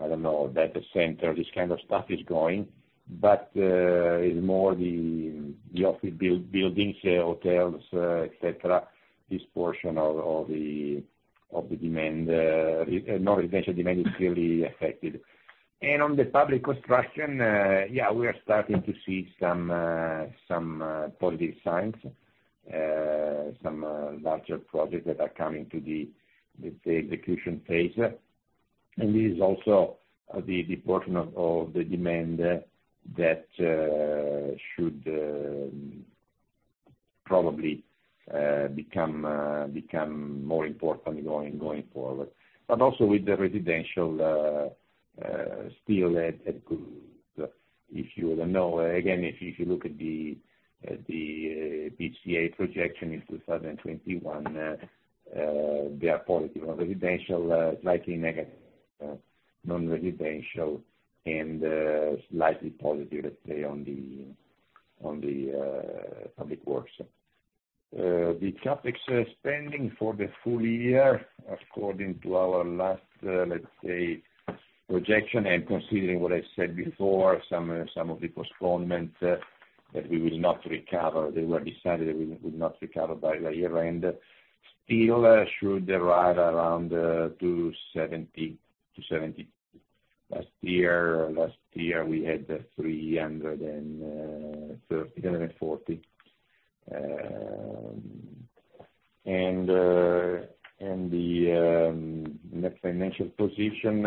I don't know, data center, this kind of stuff is going. It's more the office buildings, hotels, et cetera. This portion of the demand, non-residential demand is clearly affected. On the public construction, yeah, we are starting to see some positive signs. Some larger projects that are coming to the, let's say, execution phase. This is also the portion of the demand that should probably become more important going forward. Also with the residential [steel at good]. If you know, again, if you look at the PCA projection in 2021, they are positive on residential, slightly negative non-residential, and slightly positive, let's say, on the public works. The CapEx spending for the full year, according to our last, let's say, projection and considering what I said before, some of the postponement that we will not recover, they were decided we would not recover by year-end, still should arrive around 270. Last year, we had 340. The net financial position,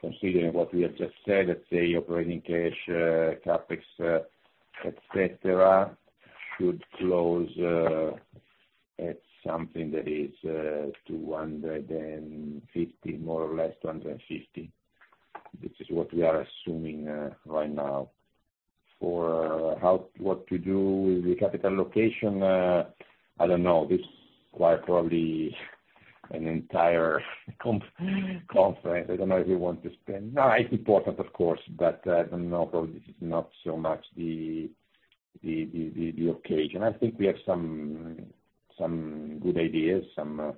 considering what we have just said, let's say operating cash, CapEx, et cetera, should close at something that is 250, more or less 250, which is what we are assuming right now. For what to do with the capital allocation, I don't know. This require probably an entire conference. I don't know if you want to spend No, it's important, of course, but I don't know. Probably, this is not so much the occasion. I think we have some good ideas, some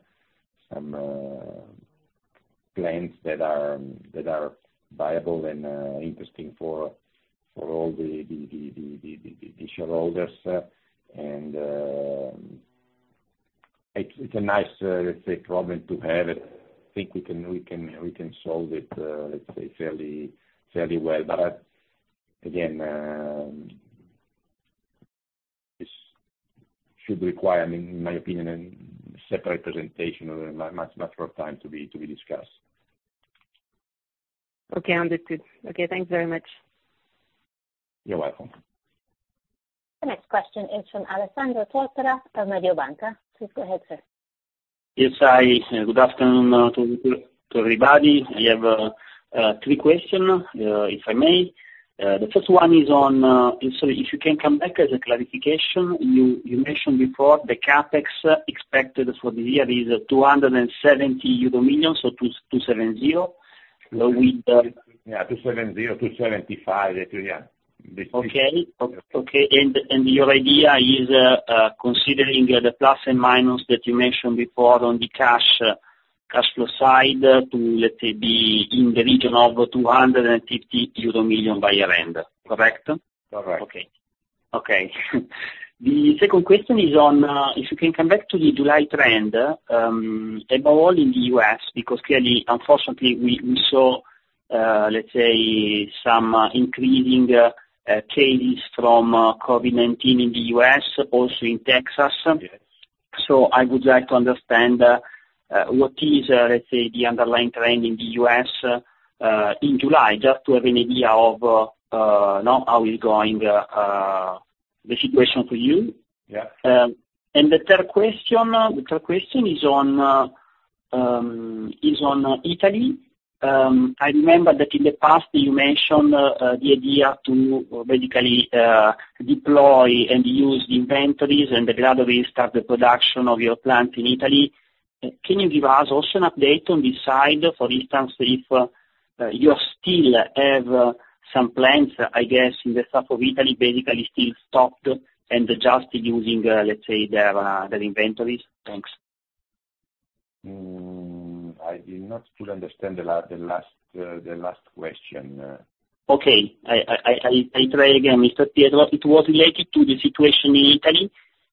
plans that are viable and interesting for all the shareholders, and it's a nice problem to have. I think we can solve it, let's say, fairly well. Again, this should require, in my opinion, a separate presentation or much, much more time to be discussed. Okay, understood. Okay, thanks very much. You're welcome. The next question is from Alessandro Tortora of Mediobanca. Please go ahead, sir. Yes, hi. Good afternoon to everybody. I have three question, if I may. The first one is on, if you can come back as a clarification, you mentioned before the CapEx expected for this year is 270 million euro, 270. Yeah, 270, 275. Yeah. Okay. Your idea is, considering the plus and minus that you mentioned before on the cash flow side to, let's say, be in the region of 250 million euro by year-end, correct? Correct. Okay. The second question is on, if you can come back to the July trend, above all in the U.S., because clearly, unfortunately, we saw, let's say, some increasing cases from COVID-19 in the U.S., also in Texas. Yes. I would like to understand what is, let's say, the underlying trend in the U.S. in July, just to have an idea of how is going the situation for you? Yeah. The third question is on Italy. I remember that in the past, you mentioned the idea to basically deploy and use inventories and gradually start the production of your plant in Italy. Can you give us also an update on this side? For instance, if you still have some plants, I guess, in the south of Italy, basically still stopped and just using, let's say, their inventories. Thanks. I did not fully understand the last question. Okay. I try again, Mr. Pietro. It was related to the situation in Italy.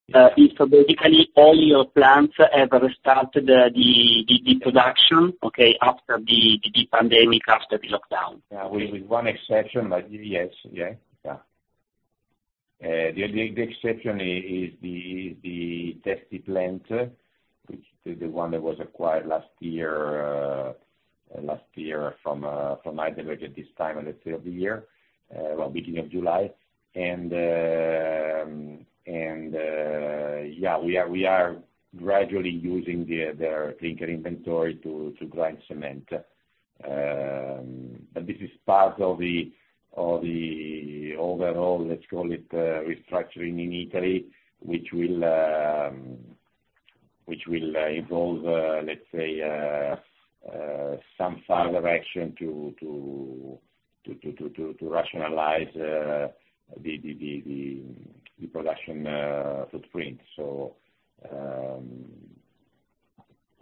If basically all your plants have restarted the production, okay, after the pandemic, after the lockdown? With one exception, yes. The exception is the Testi plant, which is the one that was acquired last year from HeidelbergCement at this time of the year, well, beginning of July. Yeah, we are gradually using their clinker inventory to grind cement. This is part of the overall, let's call it, restructuring in Italy, which will involve, let's say, some further action to rationalize the production footprint.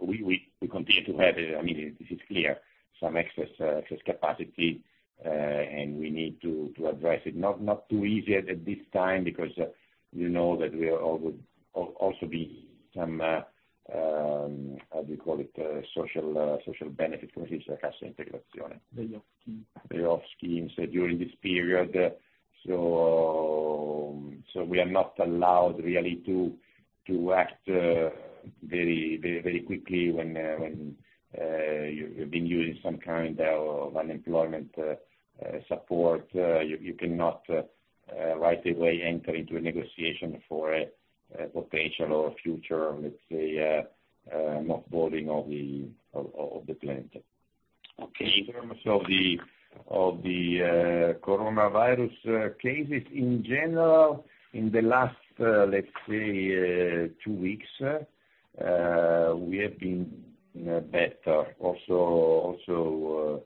We continue to have, this is clear, some excess capacity, and we need to address it. Not too easy at this time, because you know that we are Also be some, how do you call it, social benefit. What is it? Layoff scheme. Layoff schemes during this period. We are not allowed really to act very quickly when you've been using some kind of unemployment support. You cannot right away enter into a negotiation for a potential or future, let's say, off-boarding of the plant. Okay. In terms of the coronavirus cases, in general, in the last, let's say, two weeks, we have been better, also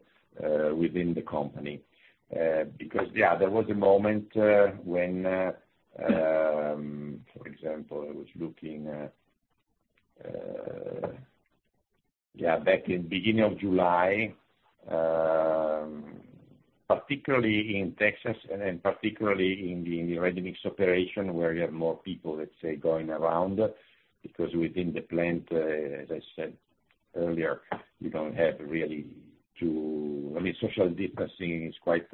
within the company. There was a moment when, for example, I was looking, back in beginning of July, particularly in Texas and particularly in the ready-mix operation, where you have more people, let's say, going around, because within the plant, as I said earlier, social distancing is quite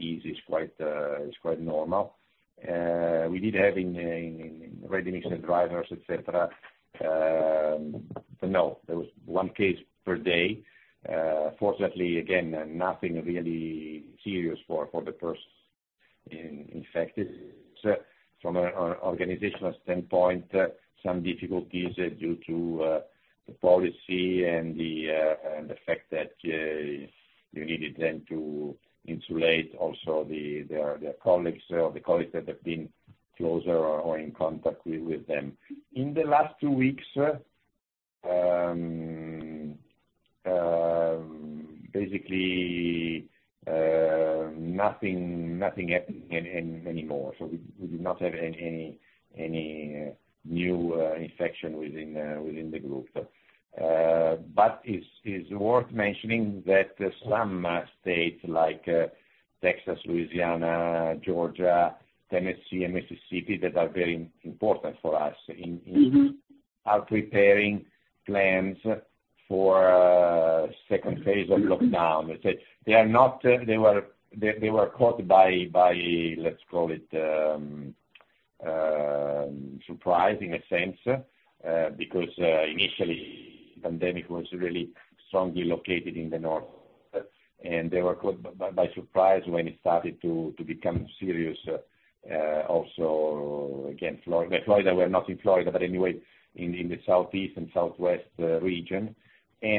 easy, is quite normal. We did have ready-mix and drivers, et cetera. No, there was one case per day. Fortunately, again, nothing really serious for the persons infected. From an organizational standpoint, some difficulties due to the policy and the fact that you needed then to insulate also their colleagues, or the colleagues that have been closer or in contact with them. In the last two weeks, basically, nothing happening anymore. We do not have any new infection within the group. It's worth mentioning that some states like Texas, Louisiana, Georgia, Tennessee, and Mississippi, that are very important for us, are preparing plans for second phase of lockdown. Let's say, they were caught by, let's call it, surprise in a sense, because initially pandemic was really strongly located in the North. They were caught by surprise when it started to become serious also, again, Florida. Well, not in Florida, but anyway, in the Southeast and Southwest region. These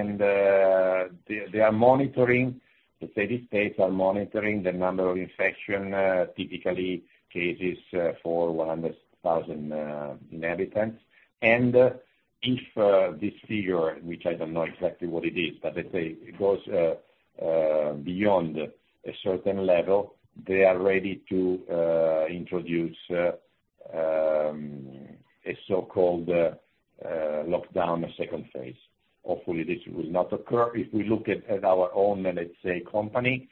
states are monitoring the number of infection, typically cases for 100,000 inhabitants. And if this figure, which I don't know exactly what it is, but let's say it goes beyond a certain level, they are ready to introduce a so-called lockdown second phase. Hopefully, this will not occur. If we look at our own, let's say, company,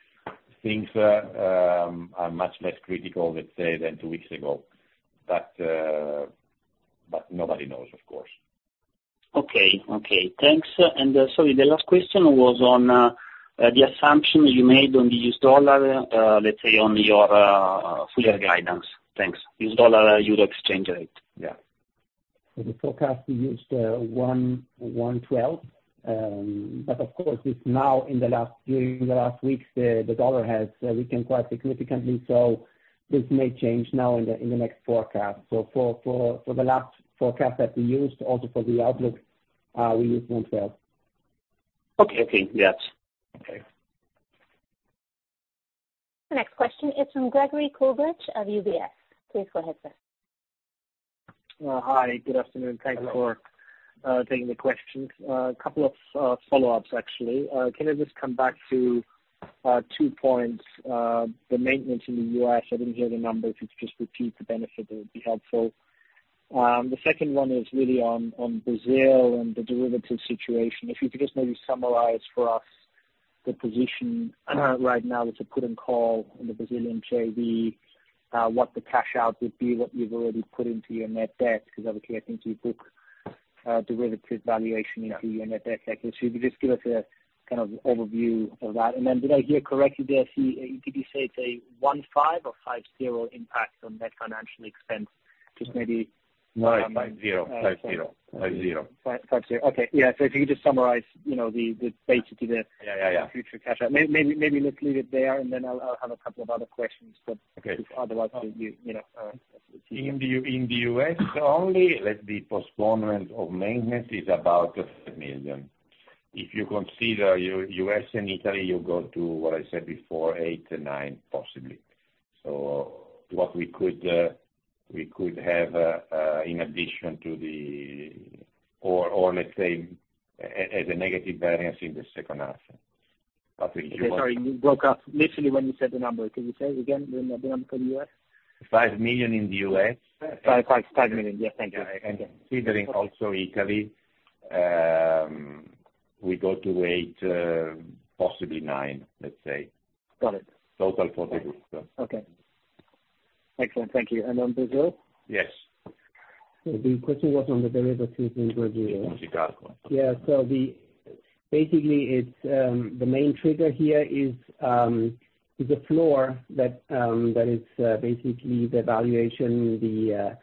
things are much less critical, let's say, than two weeks ago. Nobody knows, of course. Okay. Thanks. Sorry, the last question was on the assumption you made on the US dollar, let's say on your full year guidance, US dollar euro exchange rate. Thanks. Yeah. For the forecast, we used 1.12. Of course, it's now during the last weeks, the dollar has weakened quite significantly. This may change now in the next forecast. For the last forecast that we used, also for the outlook, we used 1.12. Okay. Yes. Okay. The next question is from Gregory Kulbersh of UBS. Please go ahead, sir. Hi, good afternoon. Thank you for taking the questions. A couple of follow-ups, actually. Can I just come back to two points? The maintenance in the U.S., I didn't hear the numbers. If you could just repeat the benefit, that would be helpful. The second one is really on Brazil and the derivative situation. If you could just maybe summarize for us the position right now with the put and call in the Brazilian JV, what the cash out would be, what you've already put into your net debt, because obviously, I think you book derivative valuation into your net debt. If you could just give us a kind of overview of that. Did I hear correctly there, did you say it's a 15 or 50 impact on net financial expense? No, it's 50. 50. Okay. Yeah. If you could just summarize basically. Yeah future cash out. Maybe let's leave it there, and then I'll have a couple of other questions. Okay. Otherwise, we'll leave it. In the U.S. only, let the postponement of maintenance is about $5 million. If you consider U.S. and Italy, you go to what I said before, 8 million-9 million possibly, or let's say, as a negative variance in the second half. Okay. Sorry, you broke up literally when you said the number. Can you say again the number for U.S.? $5 million in the U.S. 5 million. Yes. Thank you. Considering also Italy, we go to eight, possibly nine, let's say. Got it. Total for the group. Okay. Excellent. Thank you. On Brazil? Yes. The question was on the derivatives in Brazil. Riccardo. Basically, the main trigger here is the floor that is basically the valuation, the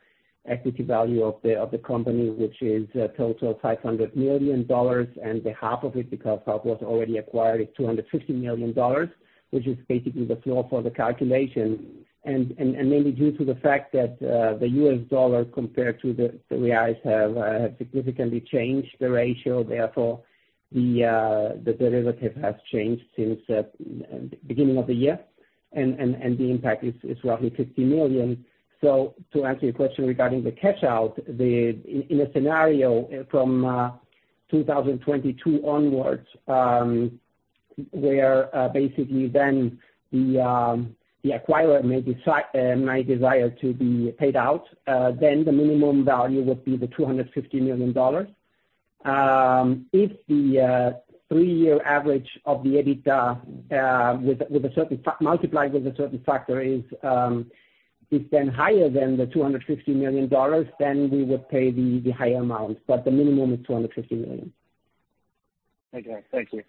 equity value of the company, which is a total of EUR 500 million. The half of it, because half was already acquired, is EUR 250 million, which is basically the floor for the calculation. Mainly due to the fact that the US dollar compared to the Brazilian real have significantly changed the ratio, therefore, the derivative has changed since the beginning of the year, and the impact is roughly $50 million. To answer your question regarding the cash out, in a scenario from 2022 onwards, where basically then the acquirer may desire to be paid out, the minimum value would be the EUR 250 million. If the three-year average of the EBITDA, multiplied with a certain factor, is then higher than the EUR 250 million, then we would pay the higher amount, but the minimum is 250 million. Okay. Thank you.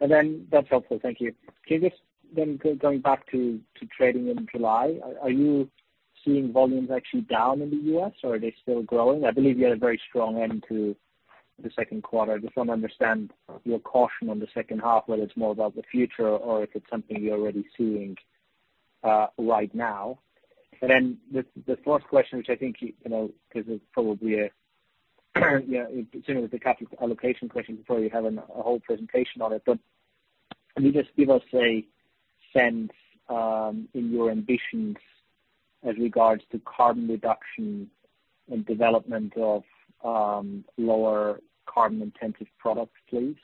That's helpful. Thank you. Can you just, going back to trading in July, are you seeing volumes actually down in the U.S. or are they still growing? I believe you had a very strong end to the second quarter. I just want to understand your caution on the second half, whether it's more about the future or if it's something you're already seeing right now. Then the fourth question, which I think, because it's probably similar to the capital allocation question, probably you have a whole presentation on it, but can you just give us a sense in your ambitions as regards to carbon reduction and development of lower carbon intensive products, please?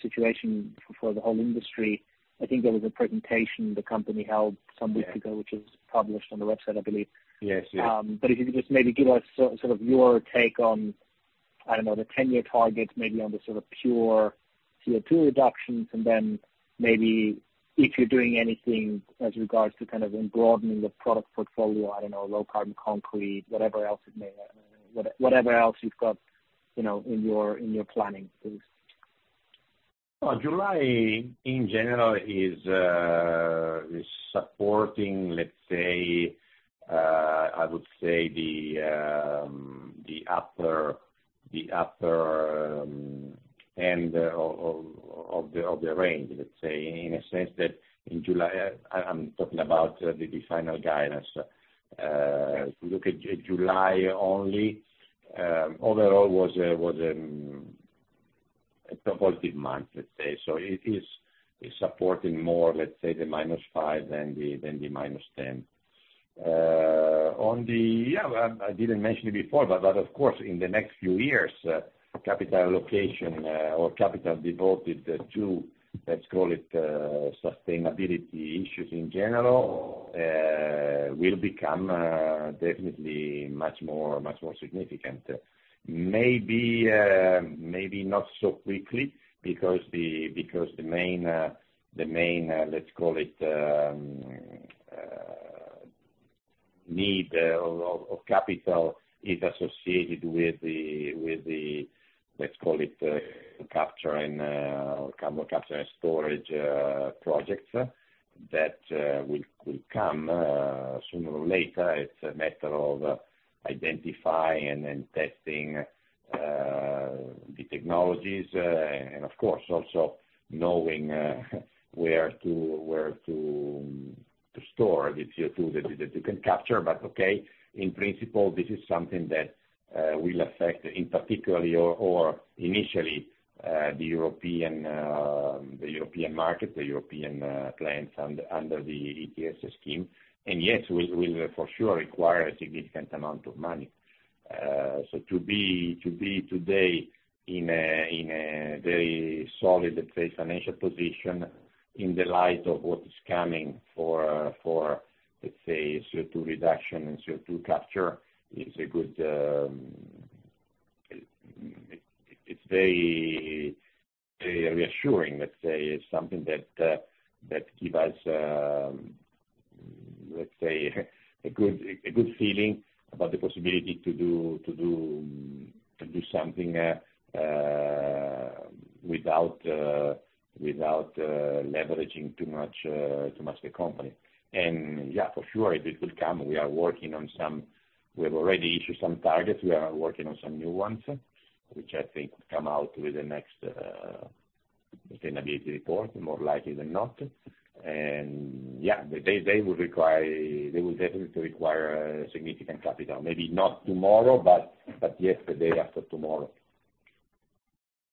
situation for the whole industry. I think there was a presentation the company held some weeks ago, which is published on the website, I believe. Yes. If you could just maybe give us sort of your take on, I don't know, the 10-year target, maybe on the sort of pure CO2 reductions, and then maybe if you're doing anything as regards to kind of in broadening the product portfolio, I don't know, low carbon concrete, whatever else you've got in your planning, please. July in general is supporting, let's say, I would say, the upper end of the range, let's say, in a sense that in July-- I'm talking about the final guidance. If you look at July only, overall was a positive month, let's say. It is supporting more, let's say, the -5 than the -10. I didn't mention it before, but of course, in the next few years, capital allocation or capital devoted to, let's call it, sustainability issues in general, will become definitely much more significant. Maybe not so quickly because the main, let's call it, need of capital is associated with the, let's call it, carbon capture and storage projects that will come sooner or later. It's a matter of identifying and testing the technologies and, of course, also knowing where to store the CO2 that you can capture. Okay, in principle, this is something that will affect, in particular or initially, the European market, the European clients under the ETS scheme. Yes, will for sure require a significant amount of money. To be today in a very solid, let's say, financial position in the light of what is coming for, let's say, CO2 reduction and CO2 capture is a good. It's very reassuring, let's say. It's something that give us, let's say, a good feeling about the possibility to do something without leveraging too much the company. Yeah, for sure, it will come. We have already issued some targets. We are working on some new ones, which I think come out with the next sustainability report, more likely than not. Yeah, they will definitely require significant capital. Maybe not tomorrow, but the day after tomorrow.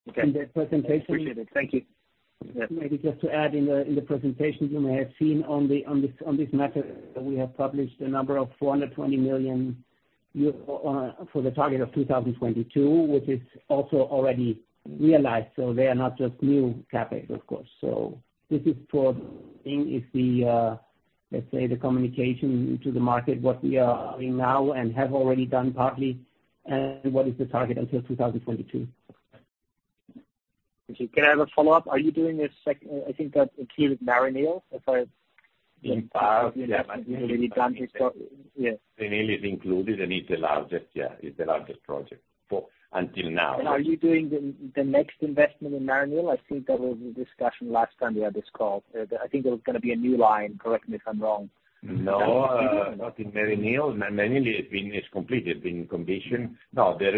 Okay. In the presentation- Appreciate it. Thank you. Maybe just to add, in the presentation, you may have seen on this matter, we have published a number of 420 million euro for the target of 2022, which is also already realized, they are not just new CapEx, of course. This is for if the, let's say, the communication to the market, what we are doing now and have already done partly, and what is the target until 2022. Can I have a follow-up? Are you doing a second I think that's key with Maryneal? In part, yeah. You've done this, yeah. Maryneal is included, and it's the largest, yeah. It's the largest project until now. Are you doing the next investment in Maryneal? I think that was the discussion last time we had this call. I think there was going to be a new line, correct me if I'm wrong. No, not in Maryneal. Maryneal has been completed, been commissioned. No. The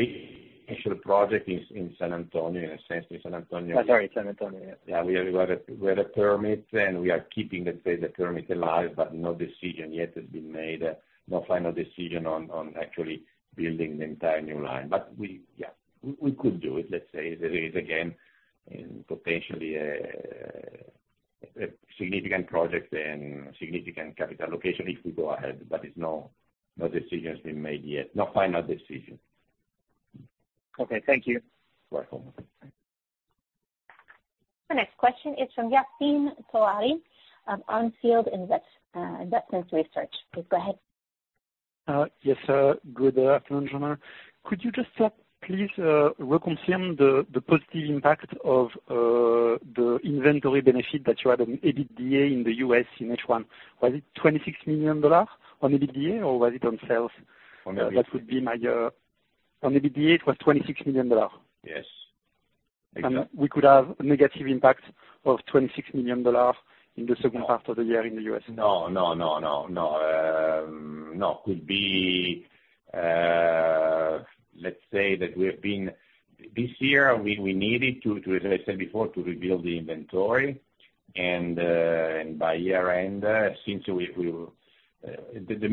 initial project is in San Antonio. Sorry, San Antonio, yeah. Yeah. We had a permit, and we are keeping, let's say, the permit alive, but no decision yet has been made. No final decision on actually building the entire new line. Yeah, we could do it. Let's say, there is, again, potentially a significant project and significant capital allocation if we go ahead, but no decisions been made yet. No final decision. Okay. Thank you. Welcome. The next question is from Yassine Touahri of On Field Investment Research. Please go ahead. Yes, good afternoon, gentlemen. Could you just help, please, reconfirm the positive impact of the inventory benefit that you had on EBITDA in the U.S. in H1? Was it $26 million on EBITDA, or was it on sales? On EBITDA. That would be my On EBITDA, it was $26 million. Yes. Exactly. We could have a negative impact of $26 million in the second half of the year in the U.S. This year, we needed to, as I said before, to rebuild the inventory, by year-end, since we will the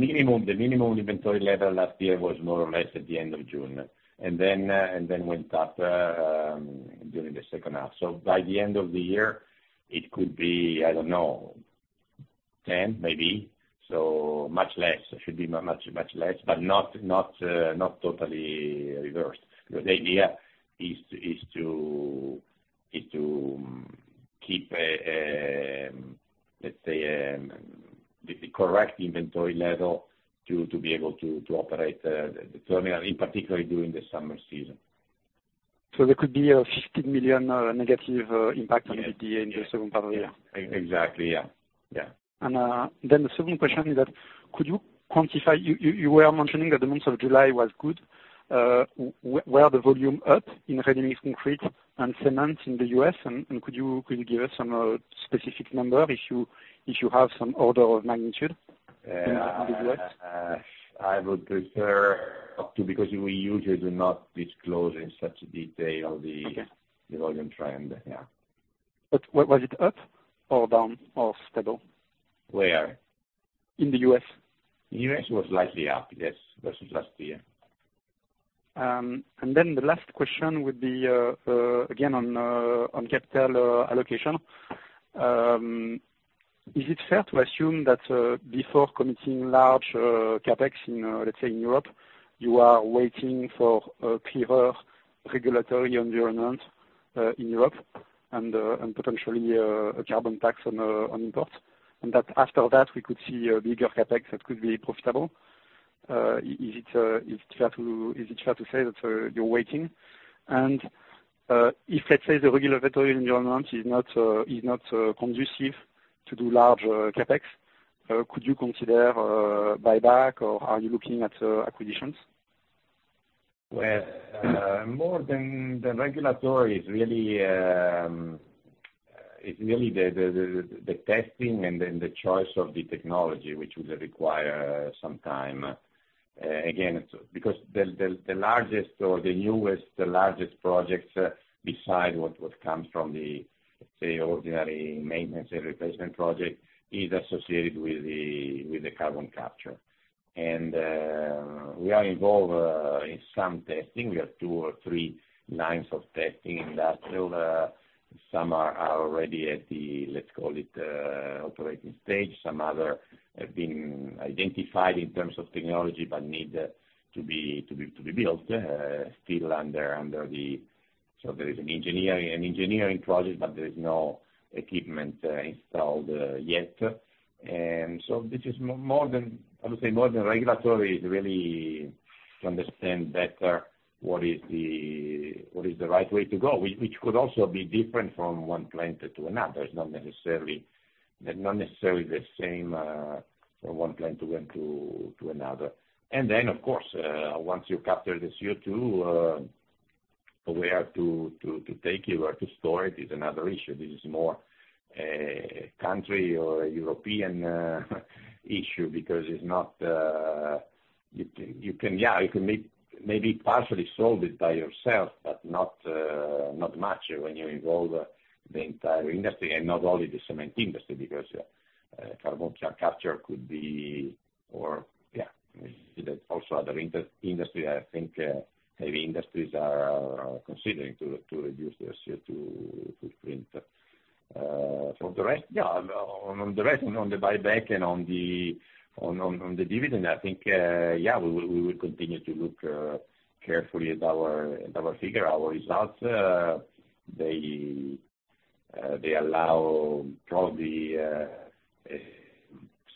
minimum inventory level last year was more or less at the end of June, went up during the second half. By the end of the year, it could be, I don't know, 10 maybe. It should be much less, but not totally reversed. The idea is to keep, let's say, the correct inventory level to be able to operate the terminal, in particular during the summer season. There could be a 15 million negative impact on EBITDA in the second part of the year. Exactly, yeah. The second question is that, could you quantify, you were mentioning that the month of July was good. Were the volume up in ready-mix concrete and cement in the U.S., and could you give us some specific number if you have some order of magnitude in the U.S.? I would prefer not to, because we usually do not disclose in such detail. Okay. the volume trend. Yeah. Was it up or down or stable? Where? In the U.S. In U.S., it was slightly up, yes, versus last year. The last question would be, again, on capital allocation. Is it fair to assume that, before committing large CapEx in, let's say, in Europe, you are waiting for a clearer regulatory environment in Europe and potentially a carbon tax on imports? After that, we could see a bigger CapEx that could be profitable. Is it fair to say that you're waiting? If, let's say, the regulatory environment is not conducive to do large CapEx, could you consider buyback, or are you looking at acquisitions? Well, more than regulatory, it's really the testing and then the choice of the technology which would require some time. Because the largest or the newest, the largest projects beside what comes from the, let's say, ordinary maintenance and replacement project is associated with the carbon capture. We are involved in some testing. We have two or three lines of testing industrial. Some are already at the, let's call it, operating stage. Some other have been identified in terms of technology but need to be built. There is an engineering project, but there is no equipment installed yet. This is more than, I would say, more than regulatory is really to understand better what is the right way to go, which could also be different from one plant to another. It's not necessarily the same from one plant to another. Of course, once you capture the CO2, where to take it or to store it is another issue. This is more a country or a European issue because it's not. You can maybe partially solve it by yourself, but not much when you involve the entire industry and not only the cement industry because carbon capture could be or, yeah, also other industry, I think, heavy industries are considering to reduce their CO2 footprint. On the rest, on the buyback and on the dividend, I think, yeah, we will continue to look carefully at our figure. Our results, They allow probably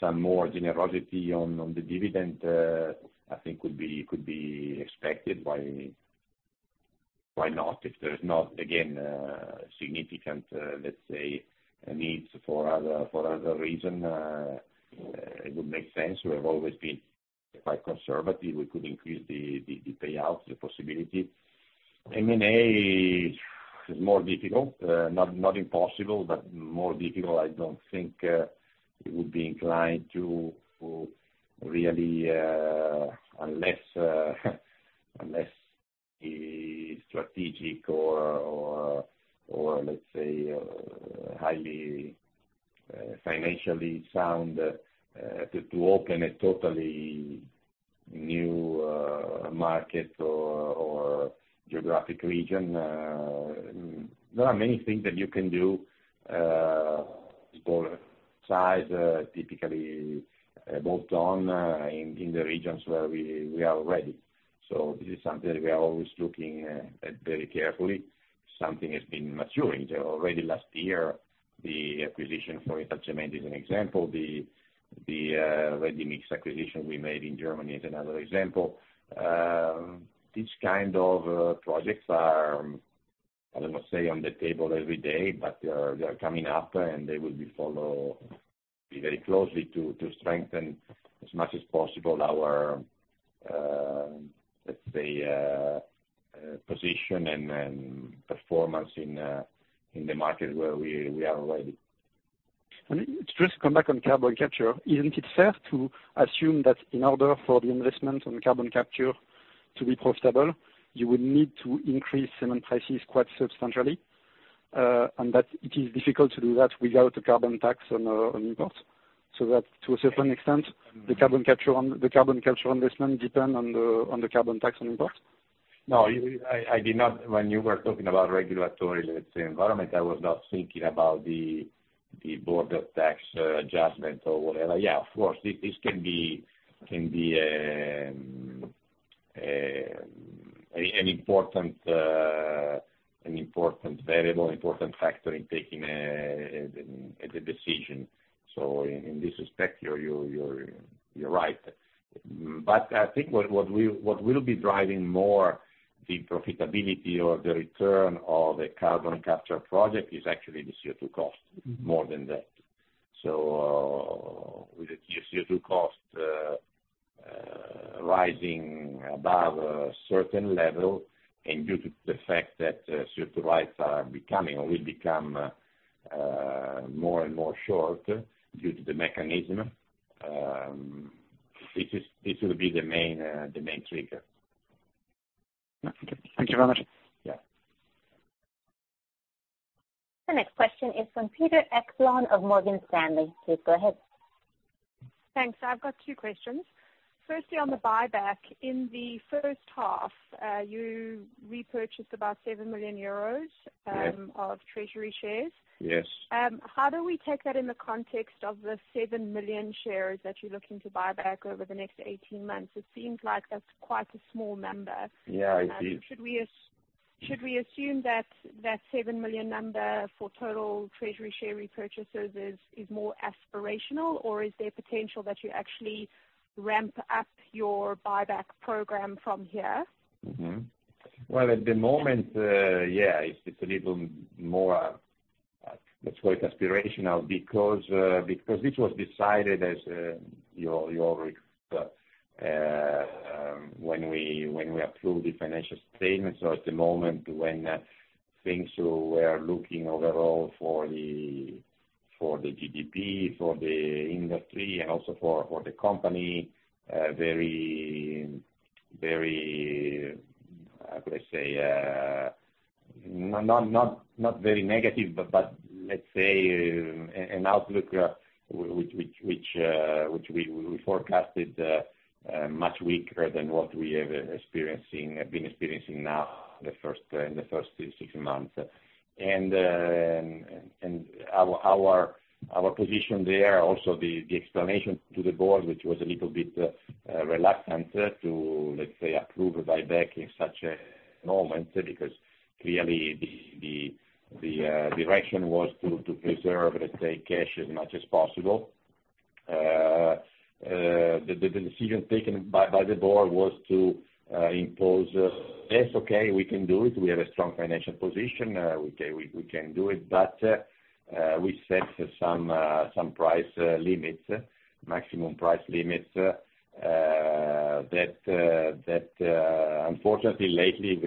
some more generosity on the dividend, I think could be expected. Why not? If there's not, again, significant, let's say, needs for other reason, it would make sense. We have always been quite conservative. We could increase the payouts, the possibility. M&A is more difficult. Not impossible, but more difficult. I don't think it would be inclined to really, unless it is strategic or let's say, highly financially sound, to open a totally new market or geographic region. There are many things that you can do, smaller size, typically bolt on in the regions where we are already. This is something we are always looking at very carefully. Something has been maturing. Already last year, the acquisition for Italcementi is an example. The ready-mix acquisition we made in Germany is another example. These kind of projects are, I don't want to say, on the table every day. They are coming up, and they will be followed very closely to strengthen as much as possible our, let's say, position and performance in the market where we are already. Just to come back on carbon capture. Isn't it fair to assume that in order for the investment on carbon capture to be profitable, you would need to increase cement prices quite substantially, and that it is difficult to do that without a carbon tax on imports, so that to a certain extent, the carbon capture investment depend on the carbon tax on imports? No. When you were talking about regulatory, let's say, environment, I was not thinking about the border tax adjustment or whatever. Yeah, of course, this can be an important variable, important factor in taking a decision. In this respect, you're right. I think what will be driving more the profitability or the return of the carbon capture project is actually the CO2 cost, more than that. With the CO2 cost rising above a certain level, and due to the fact that CO2 rights are becoming, or will become more and more short due to the mechanism, this will be the main trigger. No, thank you. Thank you very much. Yeah. The next question is from Cedar Ekblom of Morgan Stanley. Please go ahead. Thanks. I've got two questions. Firstly, on the buyback. In the first half, you repurchased about 7 million euros. Yes of treasury shares. Yes. How do we take that in the context of the 7 million shares that you're looking to buy back over the next 18 months? It seems like that's quite a small number. Yeah, indeed. Should we assume that that 7 million number for total treasury share repurchases is more aspirational, or is there potential that you actually ramp up your buyback program from here? Well, at the moment, yeah, it's a little more, let's call it aspirational, because this was decided, as you all recall, when we approved the financial statements, or at the moment when things were looking overall for the GDP, for the industry, and also for the company, how could I say, not very negative, but let's say, an outlook which we forecasted much weaker than what we have been experiencing now in the first six months. Our position there, also the explanation to the board, which was a little bit reluctant to, let's say, approve a buyback in such a moment, because clearly, the direction was to preserve, let's say, cash as much as possible. The decision taken by the board was to impose, "Yes, okay, we can do it. We have a strong financial position. We can do it. We set some price limits, maximum price limits. Unfortunately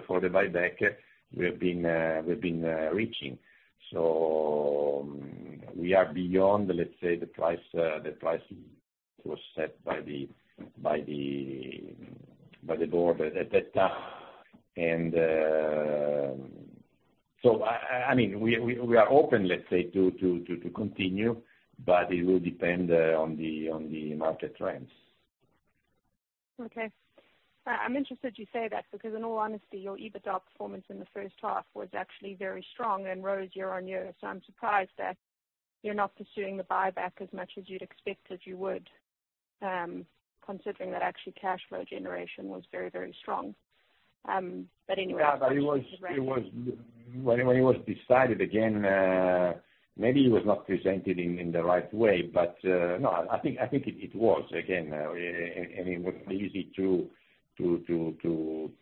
for the buyback, we've been reaching. We are beyond, let's say, the price that was set by the board at that time. We are open, let's say, to continue, but it will depend on the market trends. Okay. I'm interested you say that, because in all honesty, your EBITDA performance in the first half was actually very strong and rose year on year. I'm surprised that you're not pursuing the buyback as much as you'd expected you would. Considering that actually cash flow generation was very, very strong. Anyway. Yeah, but when it was decided again, maybe it was not presented in the right way, but, no, I think it was. Again, it was easy to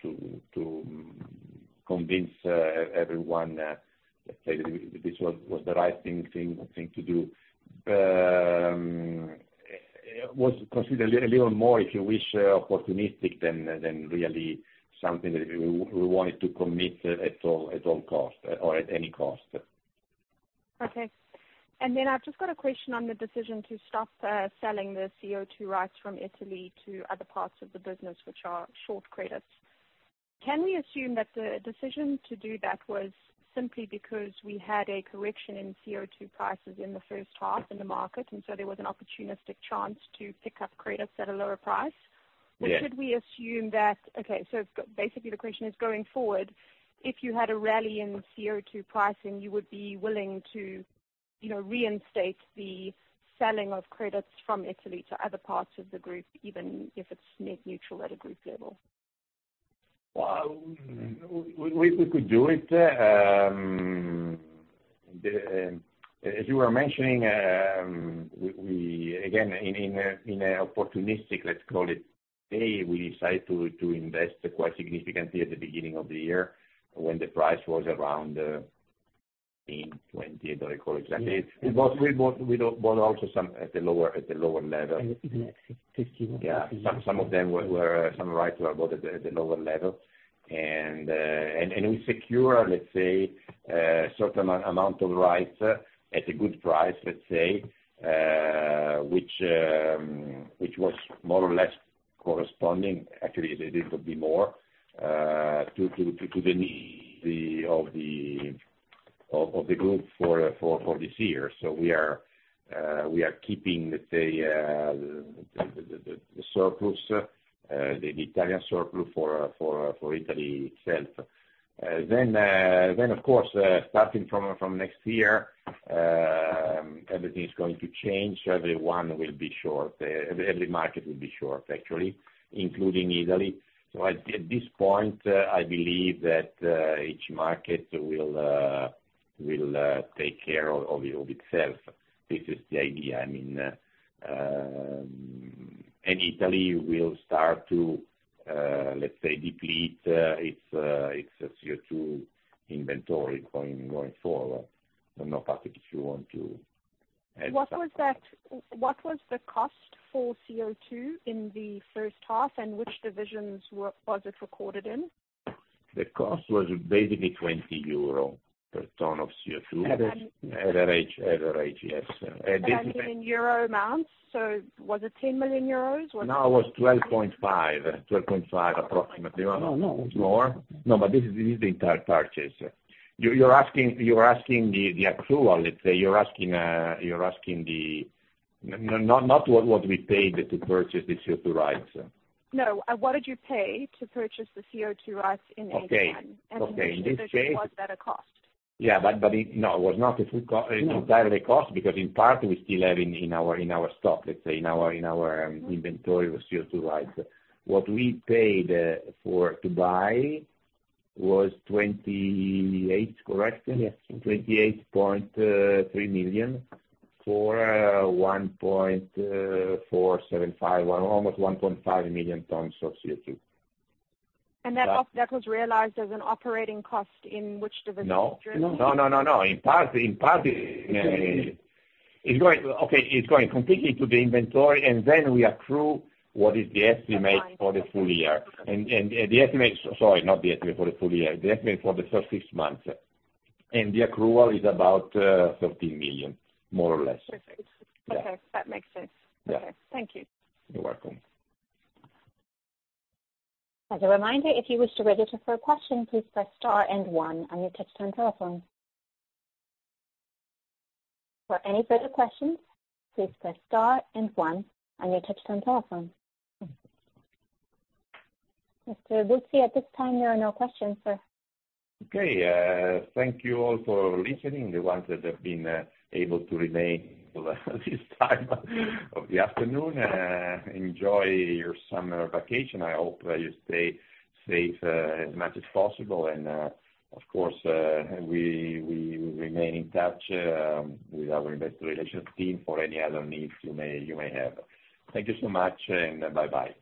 convince everyone that this was the right thing to do. It was considered a little more, if you wish, opportunistic than really something that we wanted to commit at all cost, or at any cost. Okay. I've just got a question on the decision to stop selling the CO2 rights from Italy to other parts of the business, which are short credits. Can we assume that the decision to do that was simply because we had a correction in CO2 prices in the first half in the market, there was an opportunistic chance to pick up credits at a lower price? Yes. Should we assume that basically the question is, going forward, if you had a rally in CO2 pricing, you would be willing to reinstate the selling of credits from Italy to other parts of the group, even if it's net neutral at a group level? Well, we could do it. As you were mentioning, again, in a opportunistic, let's call it, way, we decided to invest quite significantly at the beginning of the year when the price was around 18, 20, I don't recall exactly. We bought also some at the lower level. Even at 15. Yeah. Some of them were, some rights were bought at the lower level. We secure, let's say, a certain amount of rights at a good price, let's say, which was more or less corresponding. Actually, a little bit more, to the need of the group for this year. We are keeping, let's say, the surplus, the Italian surplus for Italy itself. Of course, starting from next year, everything is going to change. Everyone will be short. Every market will be short, actually, including Italy. At this point, I believe that each market will take care of itself. This is the idea. Italy will start to, let's say, deplete its CO2 inventory going forward. I don't know, Patrick, if you want to add something. What was the cost for CO2 in the first half, and which divisions was it recorded in? The cost was basically 20 euro per ton of CO2. Average. Average, yes. In euro amounts, was it 10 million euros? No, it was 12.5. 12.5 approximately. No, no. No, but this is the entire purchase. You're asking the accrual, let's say. You're asking not what we paid to purchase the CO2 rights. No. What did you pay to purchase the CO2 rights in H1? Okay. In which division was that a cost? Yeah, no, it was not a full cost, entirely cost, because in part, we still have in our stock, let's say, in our inventory of CO2 rights. What we paid to buy was 28, correct? Yes. 28.3 million for 1.475, almost 1.5 million tons of CO2. That was realized as an operating cost in which division? No. No. No, no, no. In part, it's going completely to the inventory, and then we accrue what is the estimate. That's fine. for the full year. The estimate, sorry, not the estimate for the full year, the estimate for the first six months. The accrual is about 13 million, more or less. Perfect. Okay. That makes sense. Yeah. Okay. Thank you. You're welcome. As a reminder, if you wish to register for a question, please press star and one on your touch-tone telephone. For any further questions, please press star and one on your touch-tone telephone. Mr. Buzzi, at this time, there are no questions, sir. Okay. Thank you all for listening, the ones that have been able to remain till this time of the afternoon. Enjoy your summer vacation. I hope you stay safe as much as possible. Of course, we will remain in touch with our investor relations team for any other needs you may have. Thank you so much, and bye-bye.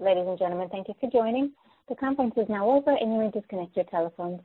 Ladies and gentlemen, thank you for joining. The conference is now over, and you may disconnect your telephones.